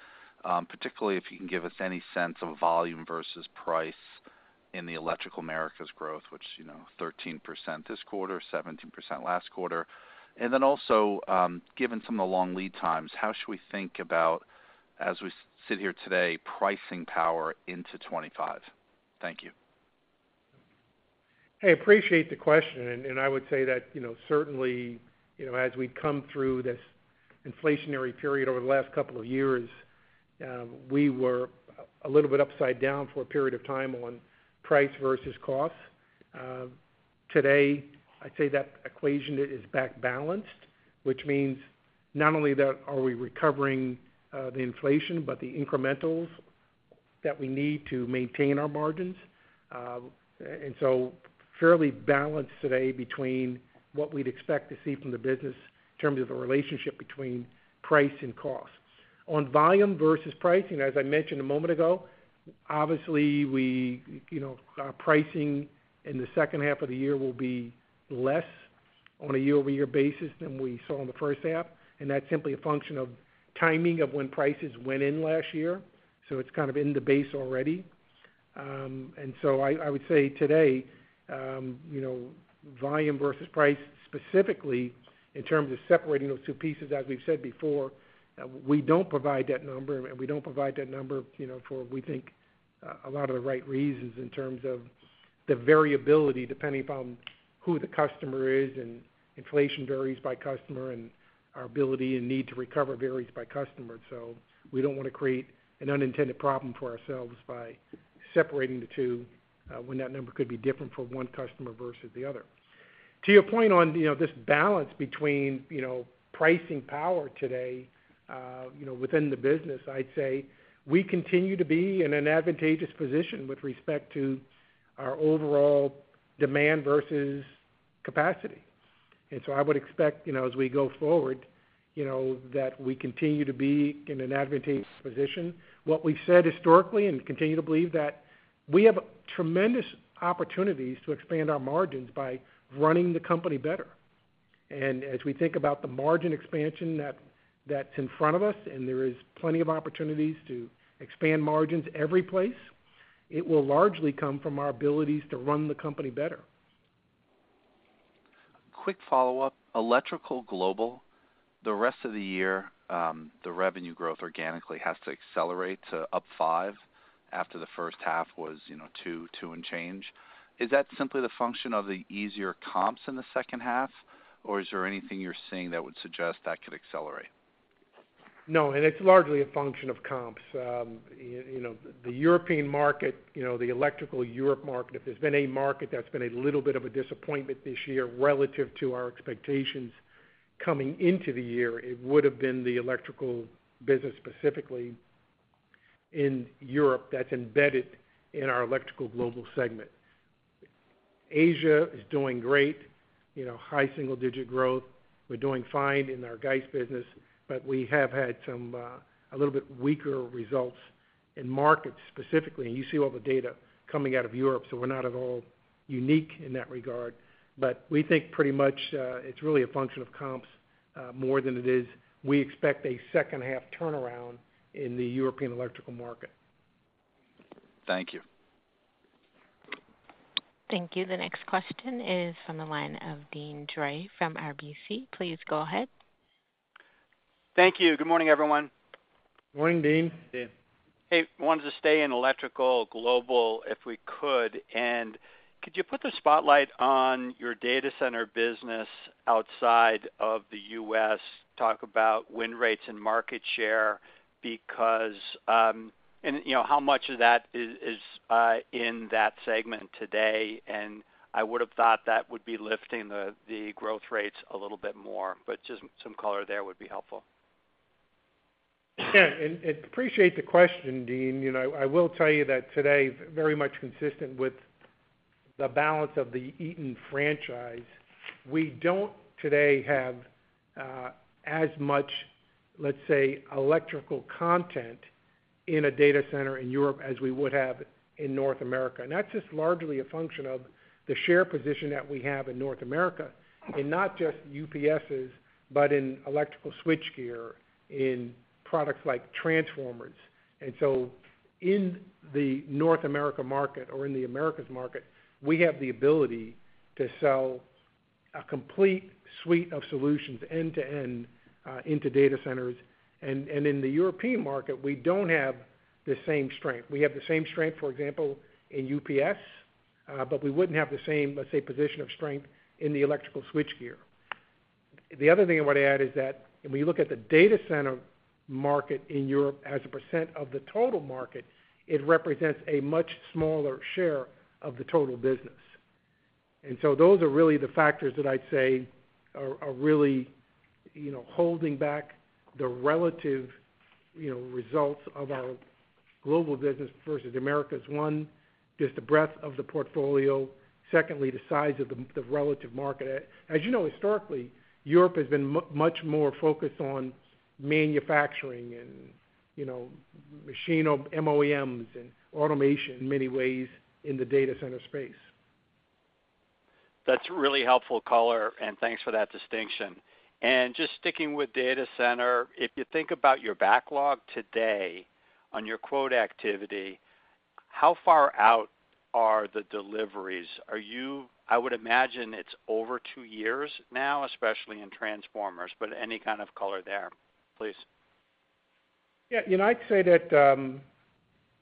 Particularly, if you can give us any sense of volume versus price in the Electrical Americas growth, which, you know, 13% this quarter, 17% last quarter. And then also, given some of the long lead times, how should we think about, as we sit here today, pricing power into 2025? Thank you.
Hey, appreciate the question, and I would say that, you know, certainly, you know, as we come through this inflationary period over the last couple of years, we were a little bit upside down for a period of time on price versus cost. Today, I'd say that equation is back balanced, which means not only that are we recovering the inflation, but the incrementals that we need to maintain our margins. And so fairly balanced today between what we'd expect to see from the business in terms of the relationship between price and cost. On volume versus pricing, as I mentioned a moment ago, obviously, we, you know, our pricing in the second half of the year will be less on a year-over-year basis than we saw in the first half, and that's simply a function of timing of when prices went in last year, so it's kind of in the base already. And so I, I would say today, you know, volume versus price, specifically in terms of separating those two pieces, as we've said before, we don't provide that number, and we don't provide that number, you know, for, we think, a, a lot of the right reasons in terms of the variability, depending upon who the customer is, and inflation varies by customer, and our ability and need to recover varies by customer. So we don't wanna create an unintended problem for ourselves by separating the two, when that number could be different for one customer versus the other. To your point on, you know, this balance between, you know, pricing power today, within the business, I'd say we continue to be in an advantageous position with respect to our overall demand versus capacity. And so I would expect, you know, as we go forward, you know, that we continue to be in an advantageous position. What we've said historically, and continue to believe, that we have tremendous opportunities to expand our margins by running the company better. And as we think about the margin expansion that, that's in front of us, and there is plenty of opportunities to expand margins every place, it will largely come from our abilities to run the company better.
Quick follow-up. Electrical Global, the rest of the year, the revenue growth organically has to accelerate to up 5, after the first half was, you know, 2.2 and change. Is that simply the function of the easier comps in the second half, or is there anything you're seeing that would suggest that could accelerate?
No, and it's largely a function of comps. You know, the European market, you know, the Electrical Europe market, if there's been a market that's been a little bit of a disappointment this year relative to our expectations coming into the year, it would have been the Electrical business, specifically in Europe, that's embedded in our Electrical Global segment. Asia is doing great, you know, high single-digit growth. We're doing fine in our GEIS business, but we have had some a little bit weaker results in markets, specifically, and you see all the data coming out of Europe, so we're not at all unique in that regard. But we think pretty much, it's really a function of comps, more than it is. We expect a second-half turnaround in the European electrical market.
Thank you.
Thank you. The next question is from the line of Deane Dray from RBC. Please go ahead.
Thank you. Good morning, everyone.
Morning, Deane.
Deane.
Hey, wanted to stay in Electrical Global, if we could, and could you put the spotlight on your data center business outside of the U.S.? Talk about win rates and market share, because, and, you know, how much of that is in that segment today? And I would have thought that would be lifting the growth rates a little bit more, but just some color there would be helpful.
Yeah, and appreciate the question, Deane. You know, I will tell you that today, very much consistent with the balance of the Eaton franchise, we don't today have as much, let's say, electrical content in a data center in Europe as we would have in North America. That's just largely a function of the share position that we have in North America, in not just UPSes, but in electrical switchgear, in products like transformers. So in the North America market or in the Americas market, we have the ability to sell a complete suite of solutions end-to-end into data centers. In the European market, we don't have the same strength. We have the same strength, for example, in UPS, but we wouldn't have the same, let's say, position of strength in the electrical switchgear. The other thing I want to add is that when you look at the data center market in Europe as a percent of the total market, it represents a much smaller share of the total business. And so those are really the factors that I'd say are really, you know, holding back the relative, you know, results of our global business versus the Americas. One, just the breadth of the portfolio. Secondly, the size of the relative market. As you know, historically, Europe has been much more focused on manufacturing and, you know, machine or MOEMs and automation in many ways in the data center space.
That's really helpful color, and thanks for that distinction. And just sticking with data center, if you think about your backlog today on your quote activity, how far out are the deliveries? Are you? I would imagine it's over two years now, especially in transformers, but any kind of color there, please.
Yeah, you know, I'd say that,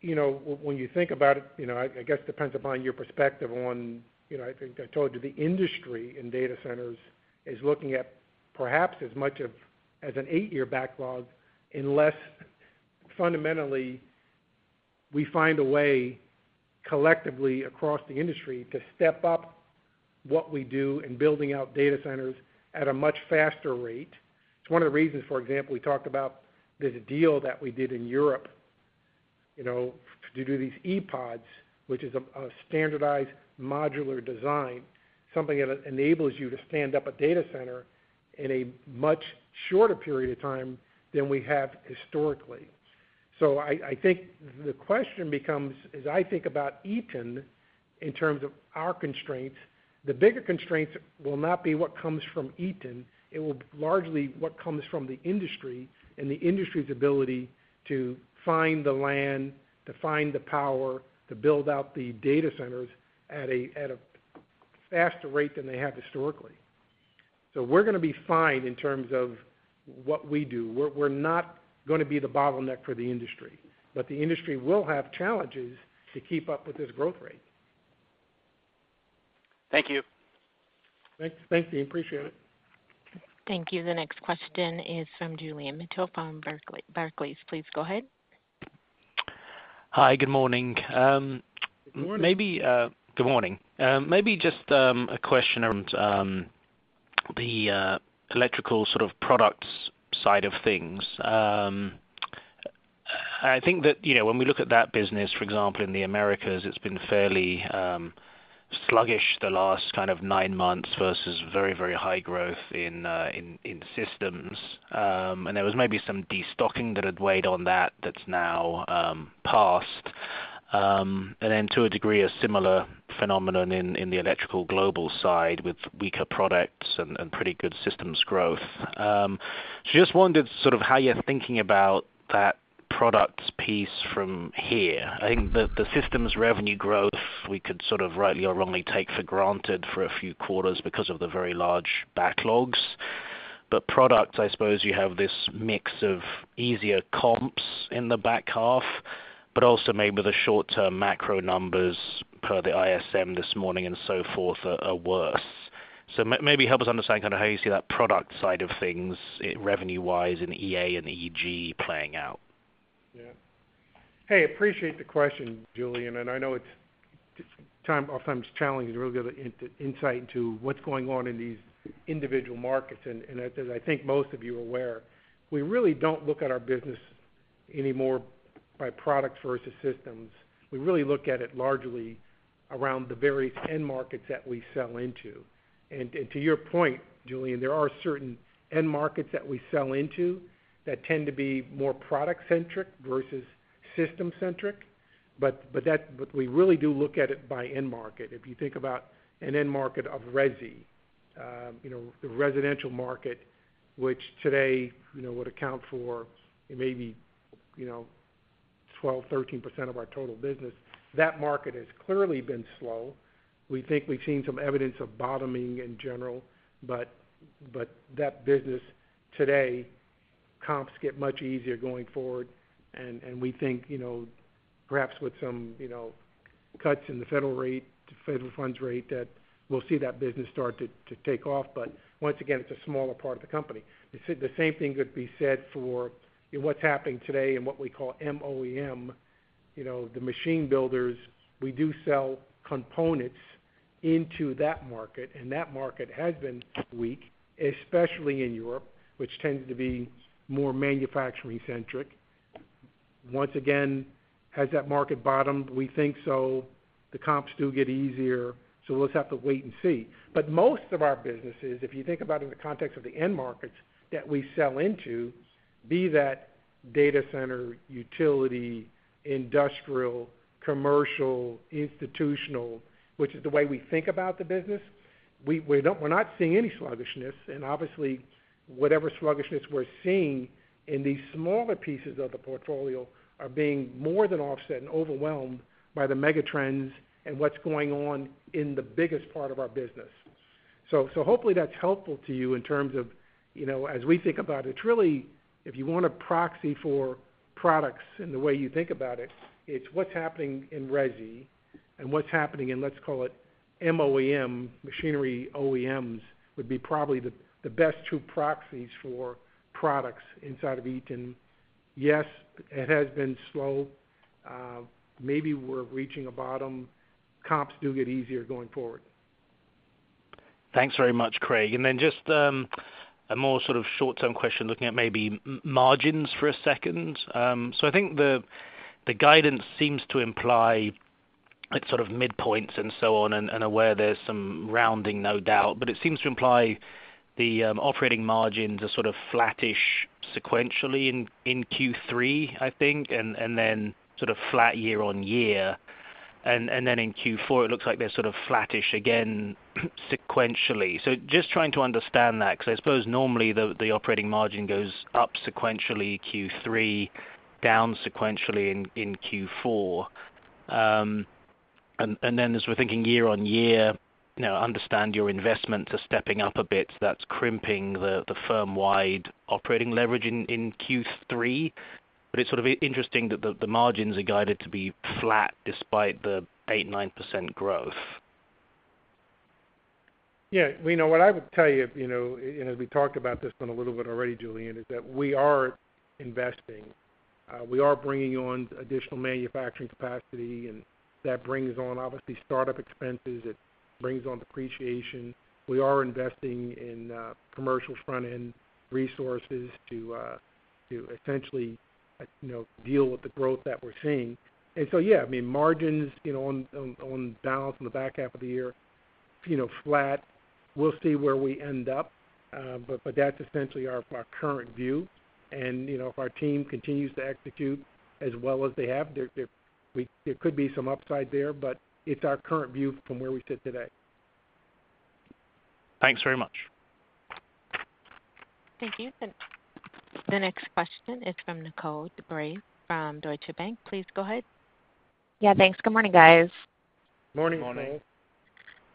you know, when you think about it, you know, I, I guess it depends upon your perspective on, you know, I think I told you, the industry in data centers is looking at perhaps as much of as an eight-year backlog, unless, fundamentally, we find a way, collectively, across the industry, to step up what we do in building out data centers at a much faster rate. It's one of the reasons, for example, we talked about this deal that we did in Europe, you know, to do these EPODs, which is a standardized modular design, something that enables you to stand up a data center in a much shorter period of time than we have historically. So I think the question becomes, as I think about Eaton, in terms of our constraints, the bigger constraints will not be what comes from Eaton. It will be largely what comes from the industry and the industry's ability to find the land, to find the power, to build out the data centers at a faster rate than they have historically. So we're gonna be fine in terms of what we do. We're not gonna be the bottleneck for the industry, but the industry will have challenges to keep up with this growth rate.
Thank you.
Thank you. Appreciate it.
Thank you. The next question is from Julian Mitchell from Barclays. Please go ahead.
Hi, good morning.
Good morning.
Maybe good morning. Maybe just a question around the Electrical sort of products side of things. I think that, you know, when we look at that business, for example, in the Americas, it's been fairly sluggish the last kind of nine months versus very, very high growth in systems. And there was maybe some destocking that had weighed on that, that's now passed. And then to a degree, a similar phenomenon in the Electrical Global side with weaker products and pretty good systems growth. So just wondered sort of how you're thinking about that product piece from here. I think the systems revenue growth, we could sort of rightly or wrongly, take for granted for a few quarters because of the very large backlogs. But products, I suppose you have this mix of easier comps in the back half, but also maybe the short-term macro numbers per the ISM this morning and so forth are worse. So maybe help us understand kind of how you see that product side of things, revenue-wise, in EA and EG playing out.
Yeah. Hey, appreciate the question, Julian, and I know it's oftentimes challenging to really give an insight into what's going on in these individual markets. And as I think most of you are aware, we really don't look at our business anymore by products versus systems. We really look at it largely around the various end markets that we sell into. And to your point, Julian, there are certain end markets that we sell into that tend to be more product-centric versus system-centric, but we really do look at it by end market. If you think about an end market of resi, you know, the residential market, which today, you know, would account for maybe, you know, 12%-13% of our total business, that market has clearly been slow. We think we've seen some evidence of bottoming in general, but that business today, comps get much easier going forward, and we think, you know, perhaps with some, you know, cuts in the federal rate, federal funds rate, that we'll see that business start to take off. But once again, it's a smaller part of the company. The same thing could be said for what's happening today in what we call MOEM, you know, the machine builders. We do sell components into that market, and that market has been weak, especially in Europe, which tends to be more manufacturing-centric. Once again, has that market bottomed? We think so. The comps do get easier, so we'll just have to wait and see. But most of our businesses, if you think about it in the context of the end markets that we sell into, be that data center, utility, industrial, commercial, institutional, which is the way we think about the business, we, we're not, we're not seeing any sluggishness. And obviously, whatever sluggishness we're seeing in these smaller pieces of the portfolio are being more than offset and overwhelmed by the megatrends and what's going on in the biggest part of our business. So, so hopefully that's helpful to you in terms of, you know, as we think about it, it's really, if you want a proxy for products and the way you think about it, it's what's happening in resi and what's happening in, let's call it, MOEM, machinery OEMs, would be probably the, the best two proxies for products inside of Eaton. Yes, it has been slow. Maybe we're reaching a bottom. Comps do get easier going forward.
Thanks very much, Craig. And then just a more sort of short-term question, looking at maybe margins for a second. So I think the guidance seems to imply it's sort of midpoints and so on, and aware there's some rounding, no doubt. But it seems to imply the operating margins are sort of flattish sequentially in Q3, I think, and then sort of flat year-on-year. And then in Q4, it looks like they're sort of flattish again, sequentially. So just trying to understand that, 'cause I suppose normally the operating margin goes up sequentially in Q3, down sequentially in Q4. And then as we're thinking year-on-year, you know, understand your investments are stepping up a bit, that's crimping the firm-wide operating leverage in Q3. But it's sort of interesting that the margins are guided to be flat despite the 8%-9% growth.
Yeah, you know, what I would tell you, you know, and as we talked about this one a little bit already, Julian, is that we are investing. We are bringing on additional manufacturing capacity, and that brings on, obviously, startup expenses. It brings on depreciation. We are investing in commercial front-end resources to essentially, you know, deal with the growth that we're seeing. And so, yeah, I mean, margins, you know, on balance in the back half of the year, you know, flat. We'll see where we end up, but that's essentially our current view. And, you know, if our team continues to execute as well as they have, there could be some upside there, but it's our current view from where we sit today.
Thanks very much.
Thank you. The next question is from Nicole DeBlase from Deutsche Bank. Please go ahead.
Yeah, thanks. Good morning, guys..
Morning.
Morning.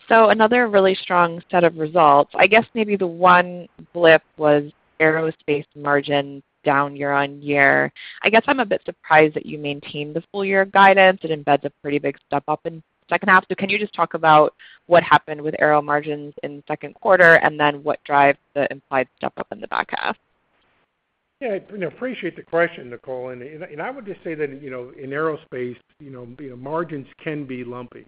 So another really strong set of results. I guess maybe the one blip was Aerospace margin down year-on-year. I guess I'm a bit surprised that you maintained the full year of guidance. It embeds a pretty big step-up in second half. So can you just talk about what happened with Aero margins in the second quarter, and then what drives the implied step-up in the back half?
Yeah, I appreciate the question, Nicole, and I would just say that, you know, in Aerospace, you know, margins can be lumpy.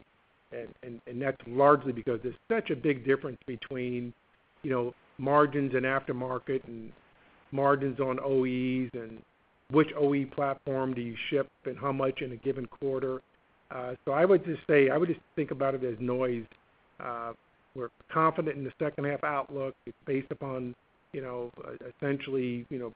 And that's largely because there's such a big difference between, you know, margins and aftermarket and margins on OEs and which OE platform do you ship and how much in a given quarter. So I would just say, I would just think about it as noise. We're confident in the second half outlook. It's based upon, you know, essentially, you know,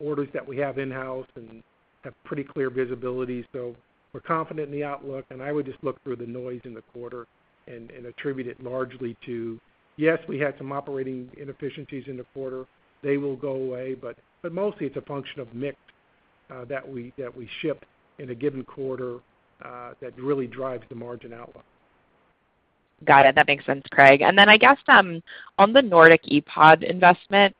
orders that we have in-house and have pretty clear visibility. So we're confident in the outlook, and I would just look through the noise in the quarter and attribute it largely to, yes, we had some operating inefficiencies in the quarter. They will go away, but mostly it's a function of mix that we ship in a given quarter that really drives the margin outlook.
Got it. That makes sense, Craig. And then I guess, on the NordicEPOD investment,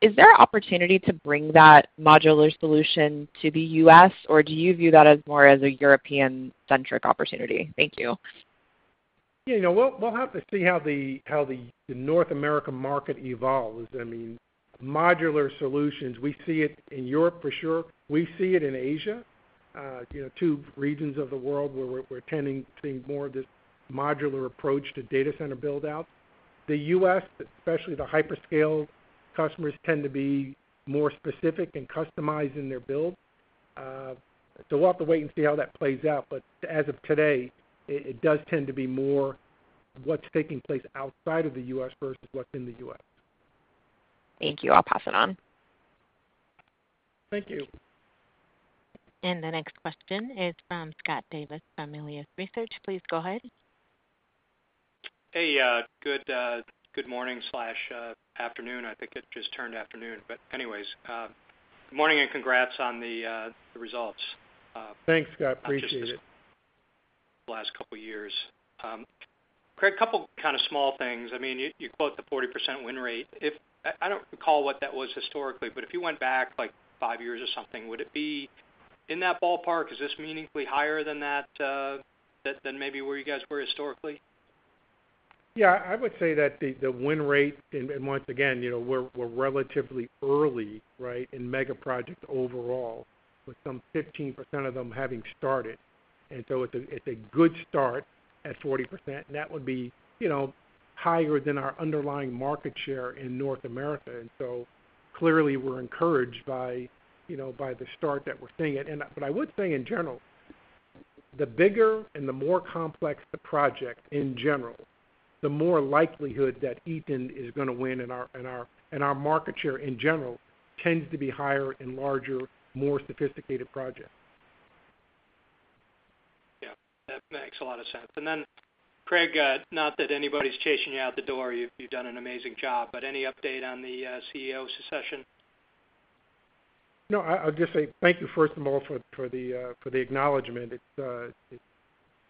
is there an opportunity to bring that modular solution to the U.S., or do you view that as more as a European-centric opportunity? Thank you.
Yeah, you know, we'll have to see how the North American market evolves. I mean, modular solutions, we see it in Europe for sure. We see it in Asia, you know, two regions of the world where we're tending to see more of this modular approach to data center build-out. The U.S., especially the hyperscale customers, tend to be more specific and customized in their build. So we'll have to wait and see how that plays out, but as of today, it does tend to be more what's taking place outside of the U.S. versus what's in the U.S..
Thank you. I'll pass it on.
Thank you.
The next question is from Scott Davis, from Melius Research. Please go ahead.
Hey, good morning/afternoon. I think it just turned afternoon, but anyways, good morning and congrats on the results.
Thanks, Scott. Appreciate it.
Last couple years. Craig, a couple kind of small things. I mean, you quote the 40% win rate. If I don't recall what that was historically, but if you went back, like, 5 years or something, would it be in that ballpark? Is this meaningfully higher than that, than maybe where you guys were historically?
Yeah, I would say that the win rate, and once again, you know, we're relatively early, right, in mega projects overall, with some 15% of them having started. And so it's a good start at 40%. That would be, you know, higher than our underlying market share in North America. And so clearly, we're encouraged by, you know, by the start that we're seeing. But I would say in general, the bigger and the more complex the project in general, the more likelihood that Eaton is gonna win, and our market share in general tends to be higher in larger, more sophisticated projects.
Yeah, that makes a lot of sense. Then, Craig, not that anybody's chasing you out the door, you've done an amazing job, but any update on the CEO succession?
No, I'll just say thank you, first of all, for the acknowledgment.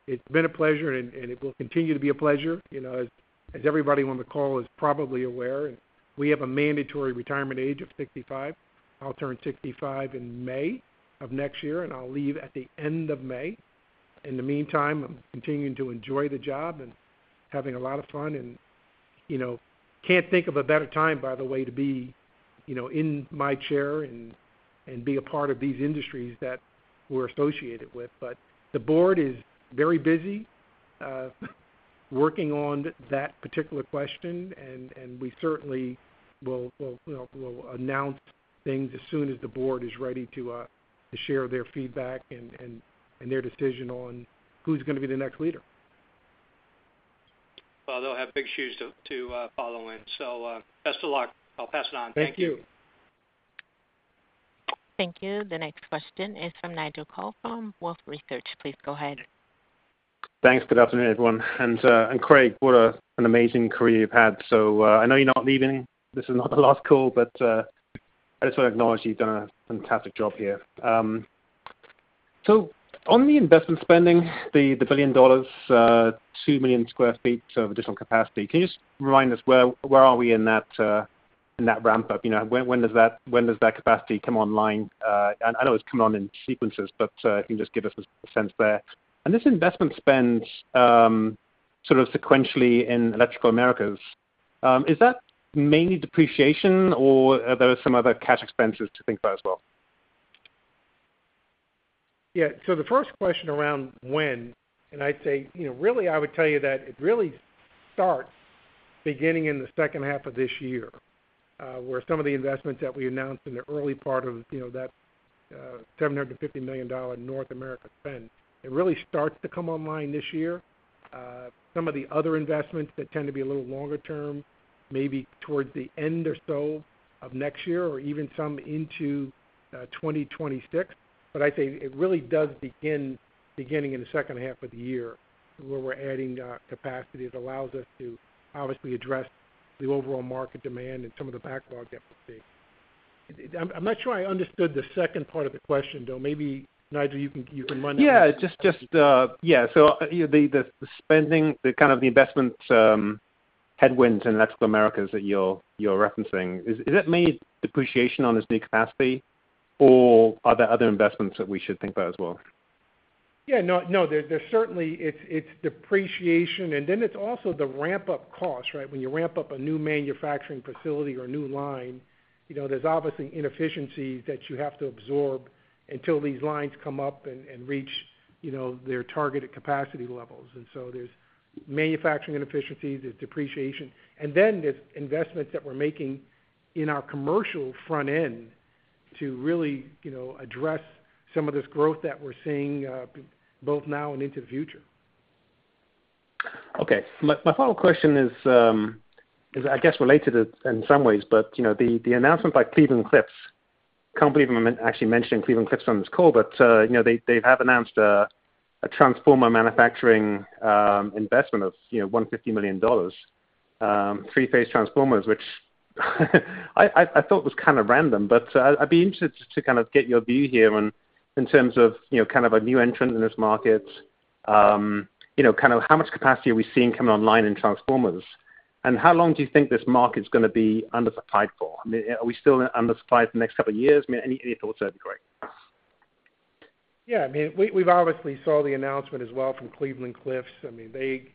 It's been a pleasure, and it will continue to be a pleasure. You know, as everybody on the call is probably aware, we have a mandatory retirement age of 65. I'll turn 65 in May of next year, and I'll leave at the end of May. In the meantime, I'm continuing to enjoy the job and having a lot of fun and, you know, can't think of a better time, by the way, to be, you know, in my chair and be a part of these industries that we're associated with. But the board is very busy working on that particular question, and we certainly will announce things as soon as the board is ready to share their feedback and their decision on who's gonna be the next leader.
Well, they'll have big shoes to follow in. So, best of luck. I'll pass it on. Thank you.
Thank you.
Thank you. The next question is from Nigel Coe, from Wolfe Research. Please go ahead.
Thanks. Good afternoon, everyone. And Craig, what an amazing career you've had. So, I know you're not leaving. This is not the last call, but, I just wanna acknowledge you've done a fantastic job here. So on the investment spending, the $1 billion, 2 million sq ft of additional capacity, can you just remind us where we are in that ramp up? You know, when does that capacity come online? And I know it's come on in sequences, but, can you just give us a sense there? And this investment spend, sort of sequentially in Electrical Americas, is that mainly depreciation, or are there some other cash expenses to think about as well?
Yeah, so the first question around when, and I'd say, you know, really, I would tell you that it really starts beginning in the second half of this year, where some of the investments that we announced in the early part of, you know, that $750 million North America spend, it really starts to come online this year. Some of the other investments that tend to be a little longer term, maybe towards the end or so of next year, or even some into 2026. But I'd say it really does begin, beginning in the second half of the year, where we're adding capacity. It allows us to obviously address the overall market demand and some of the backlog that we see. I'm not sure I understood the second part of the question, though. Maybe, Nigel, you can, you can remind me.
Yeah, yeah. So, you know, the spending, the kind of investment headwinds in Electrical Americas that you're referencing, is that mainly depreciation on this new capacity, or are there other investments that we should think about as well?
Yeah, no, there certainly it's depreciation, and then it's also the ramp-up cost, right? When you ramp up a new manufacturing facility or a new line, you know, there's obviously inefficiencies that you have to absorb until these lines come up and reach, you know, their targeted capacity levels. And so there's manufacturing inefficiencies, there's depreciation, and then there's investments that we're making in our commercial front end to really, you know, address some of this growth that we're seeing, both now and into the future.
Okay. My follow-up question is, I guess related in some ways, but, you know, the announcement by Cleveland-Cliffs, can't believe I'm actually mentioning Cleveland-Cliffs on this call, but, you know, they have announced a transformer manufacturing investment of, you know, $150 million, three-phase transformers, which I thought was kind of random. But, I'd be interested to kind of get your view here on, in terms of, you know, kind of a new entrant in this market. You know, kind of how much capacity are we seeing coming online in transformers? And how long do you think this market's gonna be undersupplied for? I mean, are we still undersupplied for the next couple of years? Any thoughts there would be great.
Yeah, I mean, we, we've obviously saw the announcement as well from Cleveland-Cliffs. I mean, they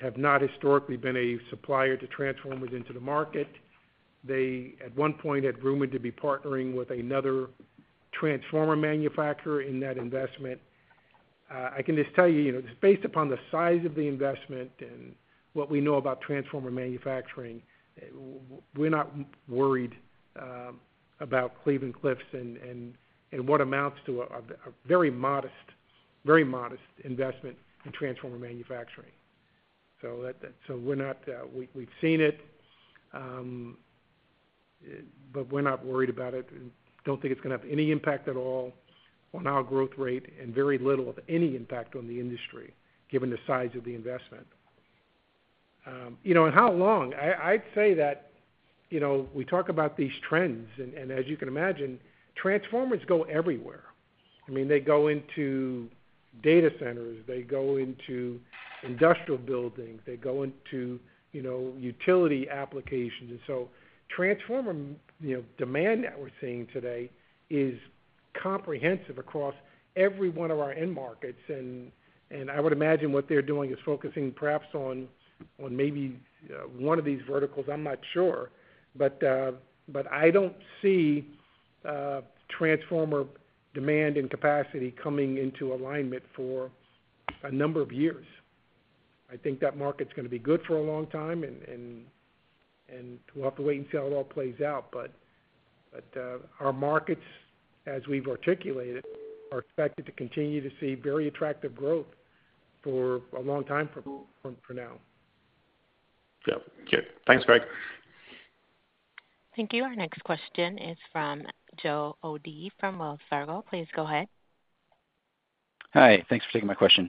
have not historically been a supplier to transformers into the market. They, at one point, had rumored to be partnering with another transformer manufacturer in that investment. I can just tell you, you know, just based upon the size of the investment and what we know about transformer manufacturing, we're not worried about Cleveland-Cliffs and what amounts to a very modest, very modest investment in transformer manufacturing. So that, so we're not, we, we've seen it, but we're not worried about it and don't think it's gonna have any impact at all on our growth rate and very little of any impact on the industry, given the size of the investment. You know, and how long? I'd say that, you know, we talk about these trends, and as you can imagine, transformers go everywhere. I mean, they go into data centers, they go into industrial buildings, they go into, you know, utility applications. And so transformer demand that we're seeing today is comprehensive across every one of our end markets. And I would imagine what they're doing is focusing perhaps on maybe one of these verticals. I'm not sure. But but I don't see transformer demand and capacity coming into alignment for a number of years. I think that market's gonna be good for a long time, and we'll have to wait and see how it all plays out. But our markets, as we've articulated, are expected to continue to see very attractive growth for a long time from now.
Yeah. Okay. Thanks, Craig.
Thank you. Our next question is from Joe O’Dea from Wells Fargo. Please go ahead.
Hi, thanks for taking my question.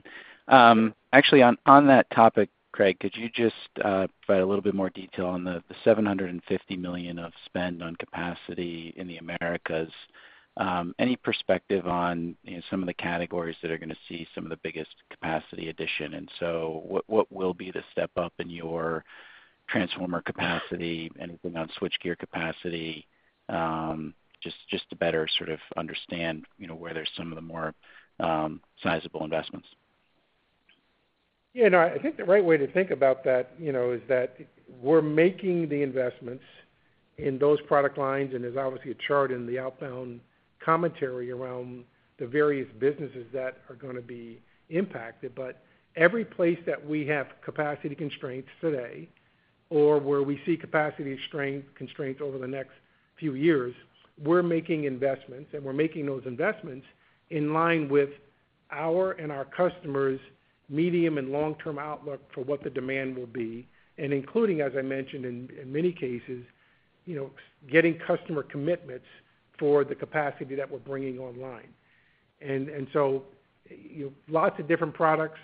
Actually, on that topic, Craig, could you just provide a little bit more detail on the $750 million of spend on capacity in the Americas? Any perspective on, you know, some of the categories that are gonna see some of the biggest capacity addition? And so what will be the step up in your transformer capacity, anything on switchgear capacity? Just to better sort of understand, you know, where there's some of the more sizable investments.
Yeah, no, I think the right way to think about that, you know, is that we're making the investments in those product lines, and there's obviously a chart in the outbound commentary around the various businesses that are gonna be impacted. But every place that we have capacity constraints today, or where we see capacity strength, constraints over the next few years, we're making investments, and we're making those investments in line with our and our customers' medium and long-term outlook for what the demand will be, and including, as I mentioned, in many cases, you know, getting customer commitments for the capacity that we're bringing online. And so, lots of different products,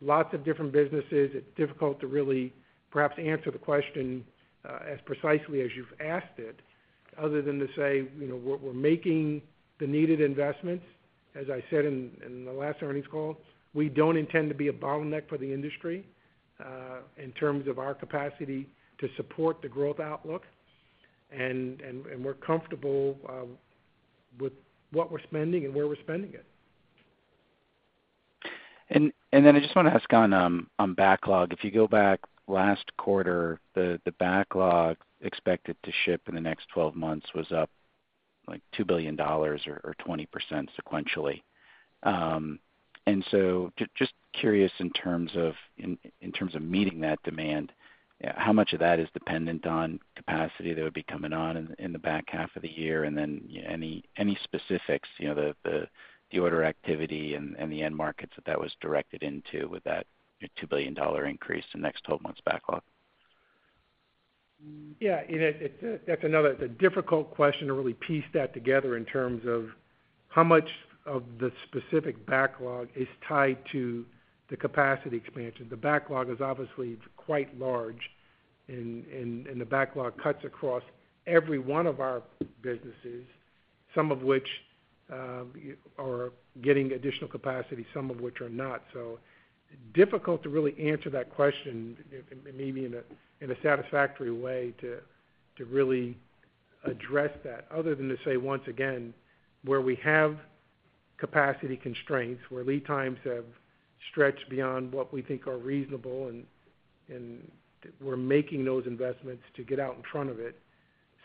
lots of different businesses, it's difficult to really perhaps answer the question as precisely as you've asked it, other than to say, you know, we're making the needed investments. As I said in the last earnings call, we don't intend to be a bottleneck for the industry in terms of our capacity to support the growth outlook. And we're comfortable with what we're spending and where we're spending it.
And then I just wanna ask on backlog. If you go back last quarter, the backlog expected to ship in the next 12 months was up, like, $2 billion or 20% sequentially. And so just curious, in terms of meeting that demand, how much of that is dependent on capacity that would be coming on in the back half of the year? And then any specifics, you know, the order activity and the end markets that that was directed into with that $2 billion increase in the next 12 months backlog?
Yeah, you know, it – that's another a difficult question to really piece that together in terms of how much of the specific backlog is tied to the capacity expansion. The backlog is obviously quite large, and the backlog cuts across every one of our businesses, some of which are getting additional capacity, some of which are not. So difficult to really answer that question, you know, maybe in a satisfactory way to really address that, other than to say, once again, where we have capacity constraints, where lead times have stretched beyond what we think are reasonable, and we're making those investments to get out in front of it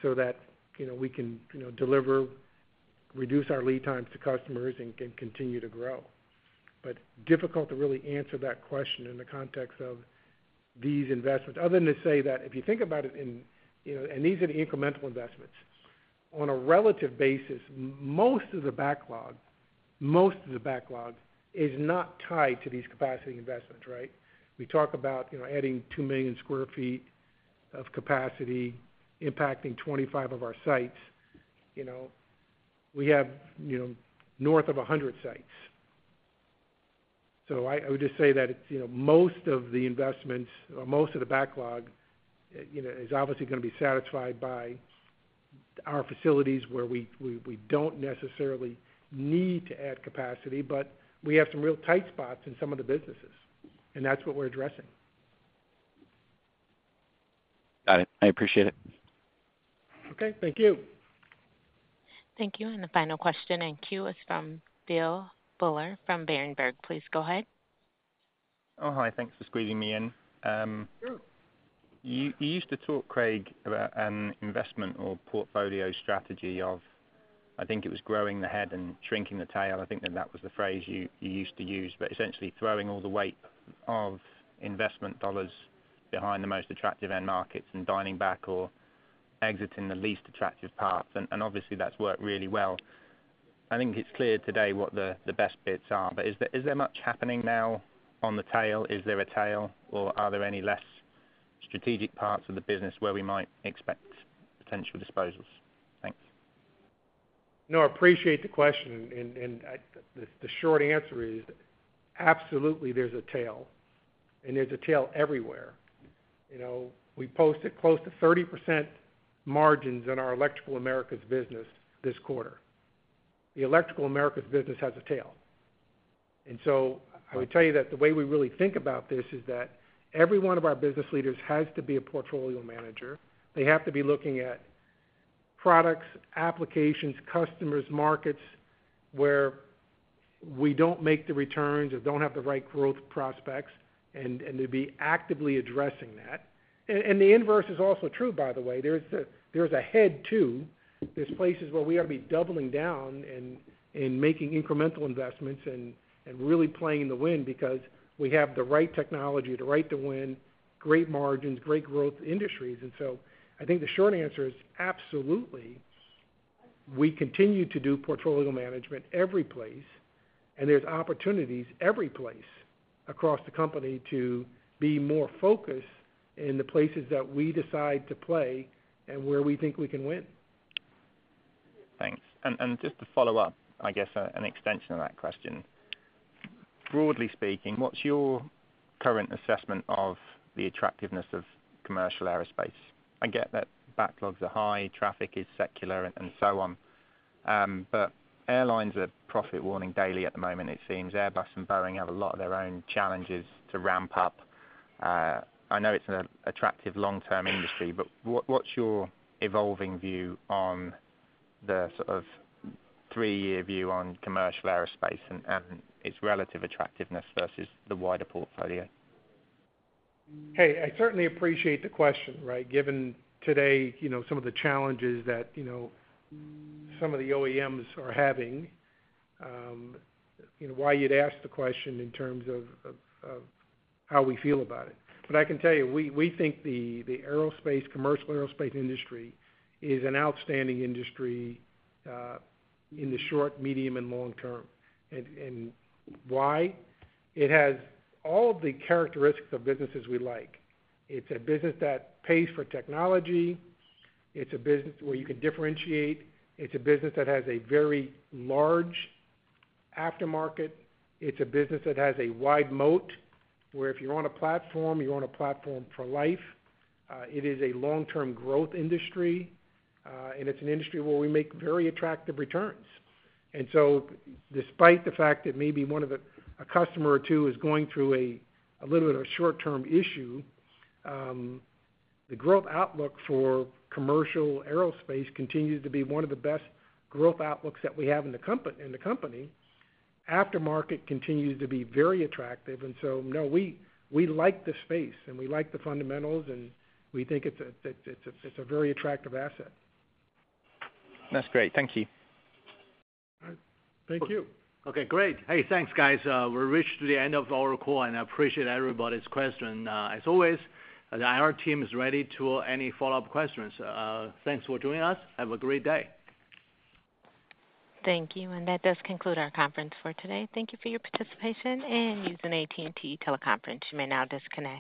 so that, you know, we can, you know, deliver, reduce our lead times to customers and can continue to grow. But difficult to really answer that question in the context of these investments, other than to say that if you think about it in, you know, and these are the incremental investments. On a relative basis, most of the backlog, most of the backlog is not tied to these capacity investments, right? We talk about, you know, adding 2 million sq ft of capacity, impacting 25 of our sites. You know, we have, you know, north of 100 sites. So I would just say that, you know, most of the investments or most of the backlog, you know, is obviously gonna be satisfied by our facilities, where we don't necessarily need to add capacity, but we have some real tight spots in some of the businesses, and that's what we're addressing.
Got it. I appreciate it.
Okay. Thank you.
Thank you, and the final question in queue is from Phil Buller from Berenberg. Please go ahead.
Oh, hi, thanks for squeezing me in.
Sure.
You used to talk, Craig, about investment or portfolio strategy of, I think it was growing the head and shrinking the tail. I think that that was the phrase you used to use, but essentially throwing all the weight of investment dollars behind the most attractive end markets and dialing back or exiting the least attractive parts. And obviously, that's worked really well. I think it's clear today what the best bits are, but is there much happening now on the tail? Is there a tail, or are there any less strategic parts of the business where we might expect potential disposals? Thanks.
No, I appreciate the question, and the short answer is: absolutely, there's a tail, and there's a tail everywhere. You know, we posted close to 30% margins in our Electrical Americas business this quarter. The Electrical Americas business has a tail. And so I would tell you that the way we really think about this is that every one of our business leaders has to be a portfolio manager. They have to be looking at products, applications, customers, markets, where we don't make the returns or don't have the right growth prospects, and to be actively addressing that. And the inverse is also true, by the way. There's a head, too. There's places where we ought to be doubling down and, and making incremental investments and, and really playing in the wind because we have the right technology, the right to win, great margins, great growth industries. And so I think the short answer is, absolutely, we continue to do portfolio management every place, and there's opportunities every place across the company to be more focused in the places that we decide to play and where we think we can win.
Thanks. And just to follow up, I guess, an extension of that question. Broadly speaking, what's your current assessment of the attractiveness of commercial Aerospace? I get that backlogs are high, traffic is secular and so on. But airlines are profit warning daily at the moment, it seems. Airbus and Boeing have a lot of their own challenges to ramp up. I know it's an attractive long-term industry, but what's your evolving view on the sort of three-year view on commercial Aerospace and its relative attractiveness versus the wider portfolio?
Hey, I certainly appreciate the question, right? Given today, you know, some of the challenges that, you know, some of the OEMs are having, you know, why you'd ask the question in terms of how we feel about it. But I can tell you, we think the Aerospace, commercial aerospace industry is an outstanding industry in the short, medium, and long term. And why? It has all of the characteristics of businesses we like. It's a business that pays for technology. It's a business where you can differentiate. It's a business that has a very large aftermarket. It's a business that has a wide moat, where if you're on a platform, you're on a platform for life. It is a long-term growth industry, and it's an industry where we make very attractive returns. And so despite the fact that maybe one of the, a customer or two is going through a, a little bit of a short-term issue, the growth outlook for commercial Aerospace continues to be one of the best growth outlooks that we have in the company, in the company. Aftermarket continues to be very attractive, and so no, we, we like the space, and we like the fundamentals, and we think it's a, it's a, it's a very attractive asset.
That's great. Thank you.
All right. Thank you.
Okay, great. Hey, thanks, guys. We're reached to the end of our call, and I appreciate everybody's question. As always, the IR team is ready to any follow-up questions. Thanks for joining us. Have a great day.
Thank you, and that does conclude our conference for today. Thank you for your participation in using AT&T Teleconference. You may now disconnect.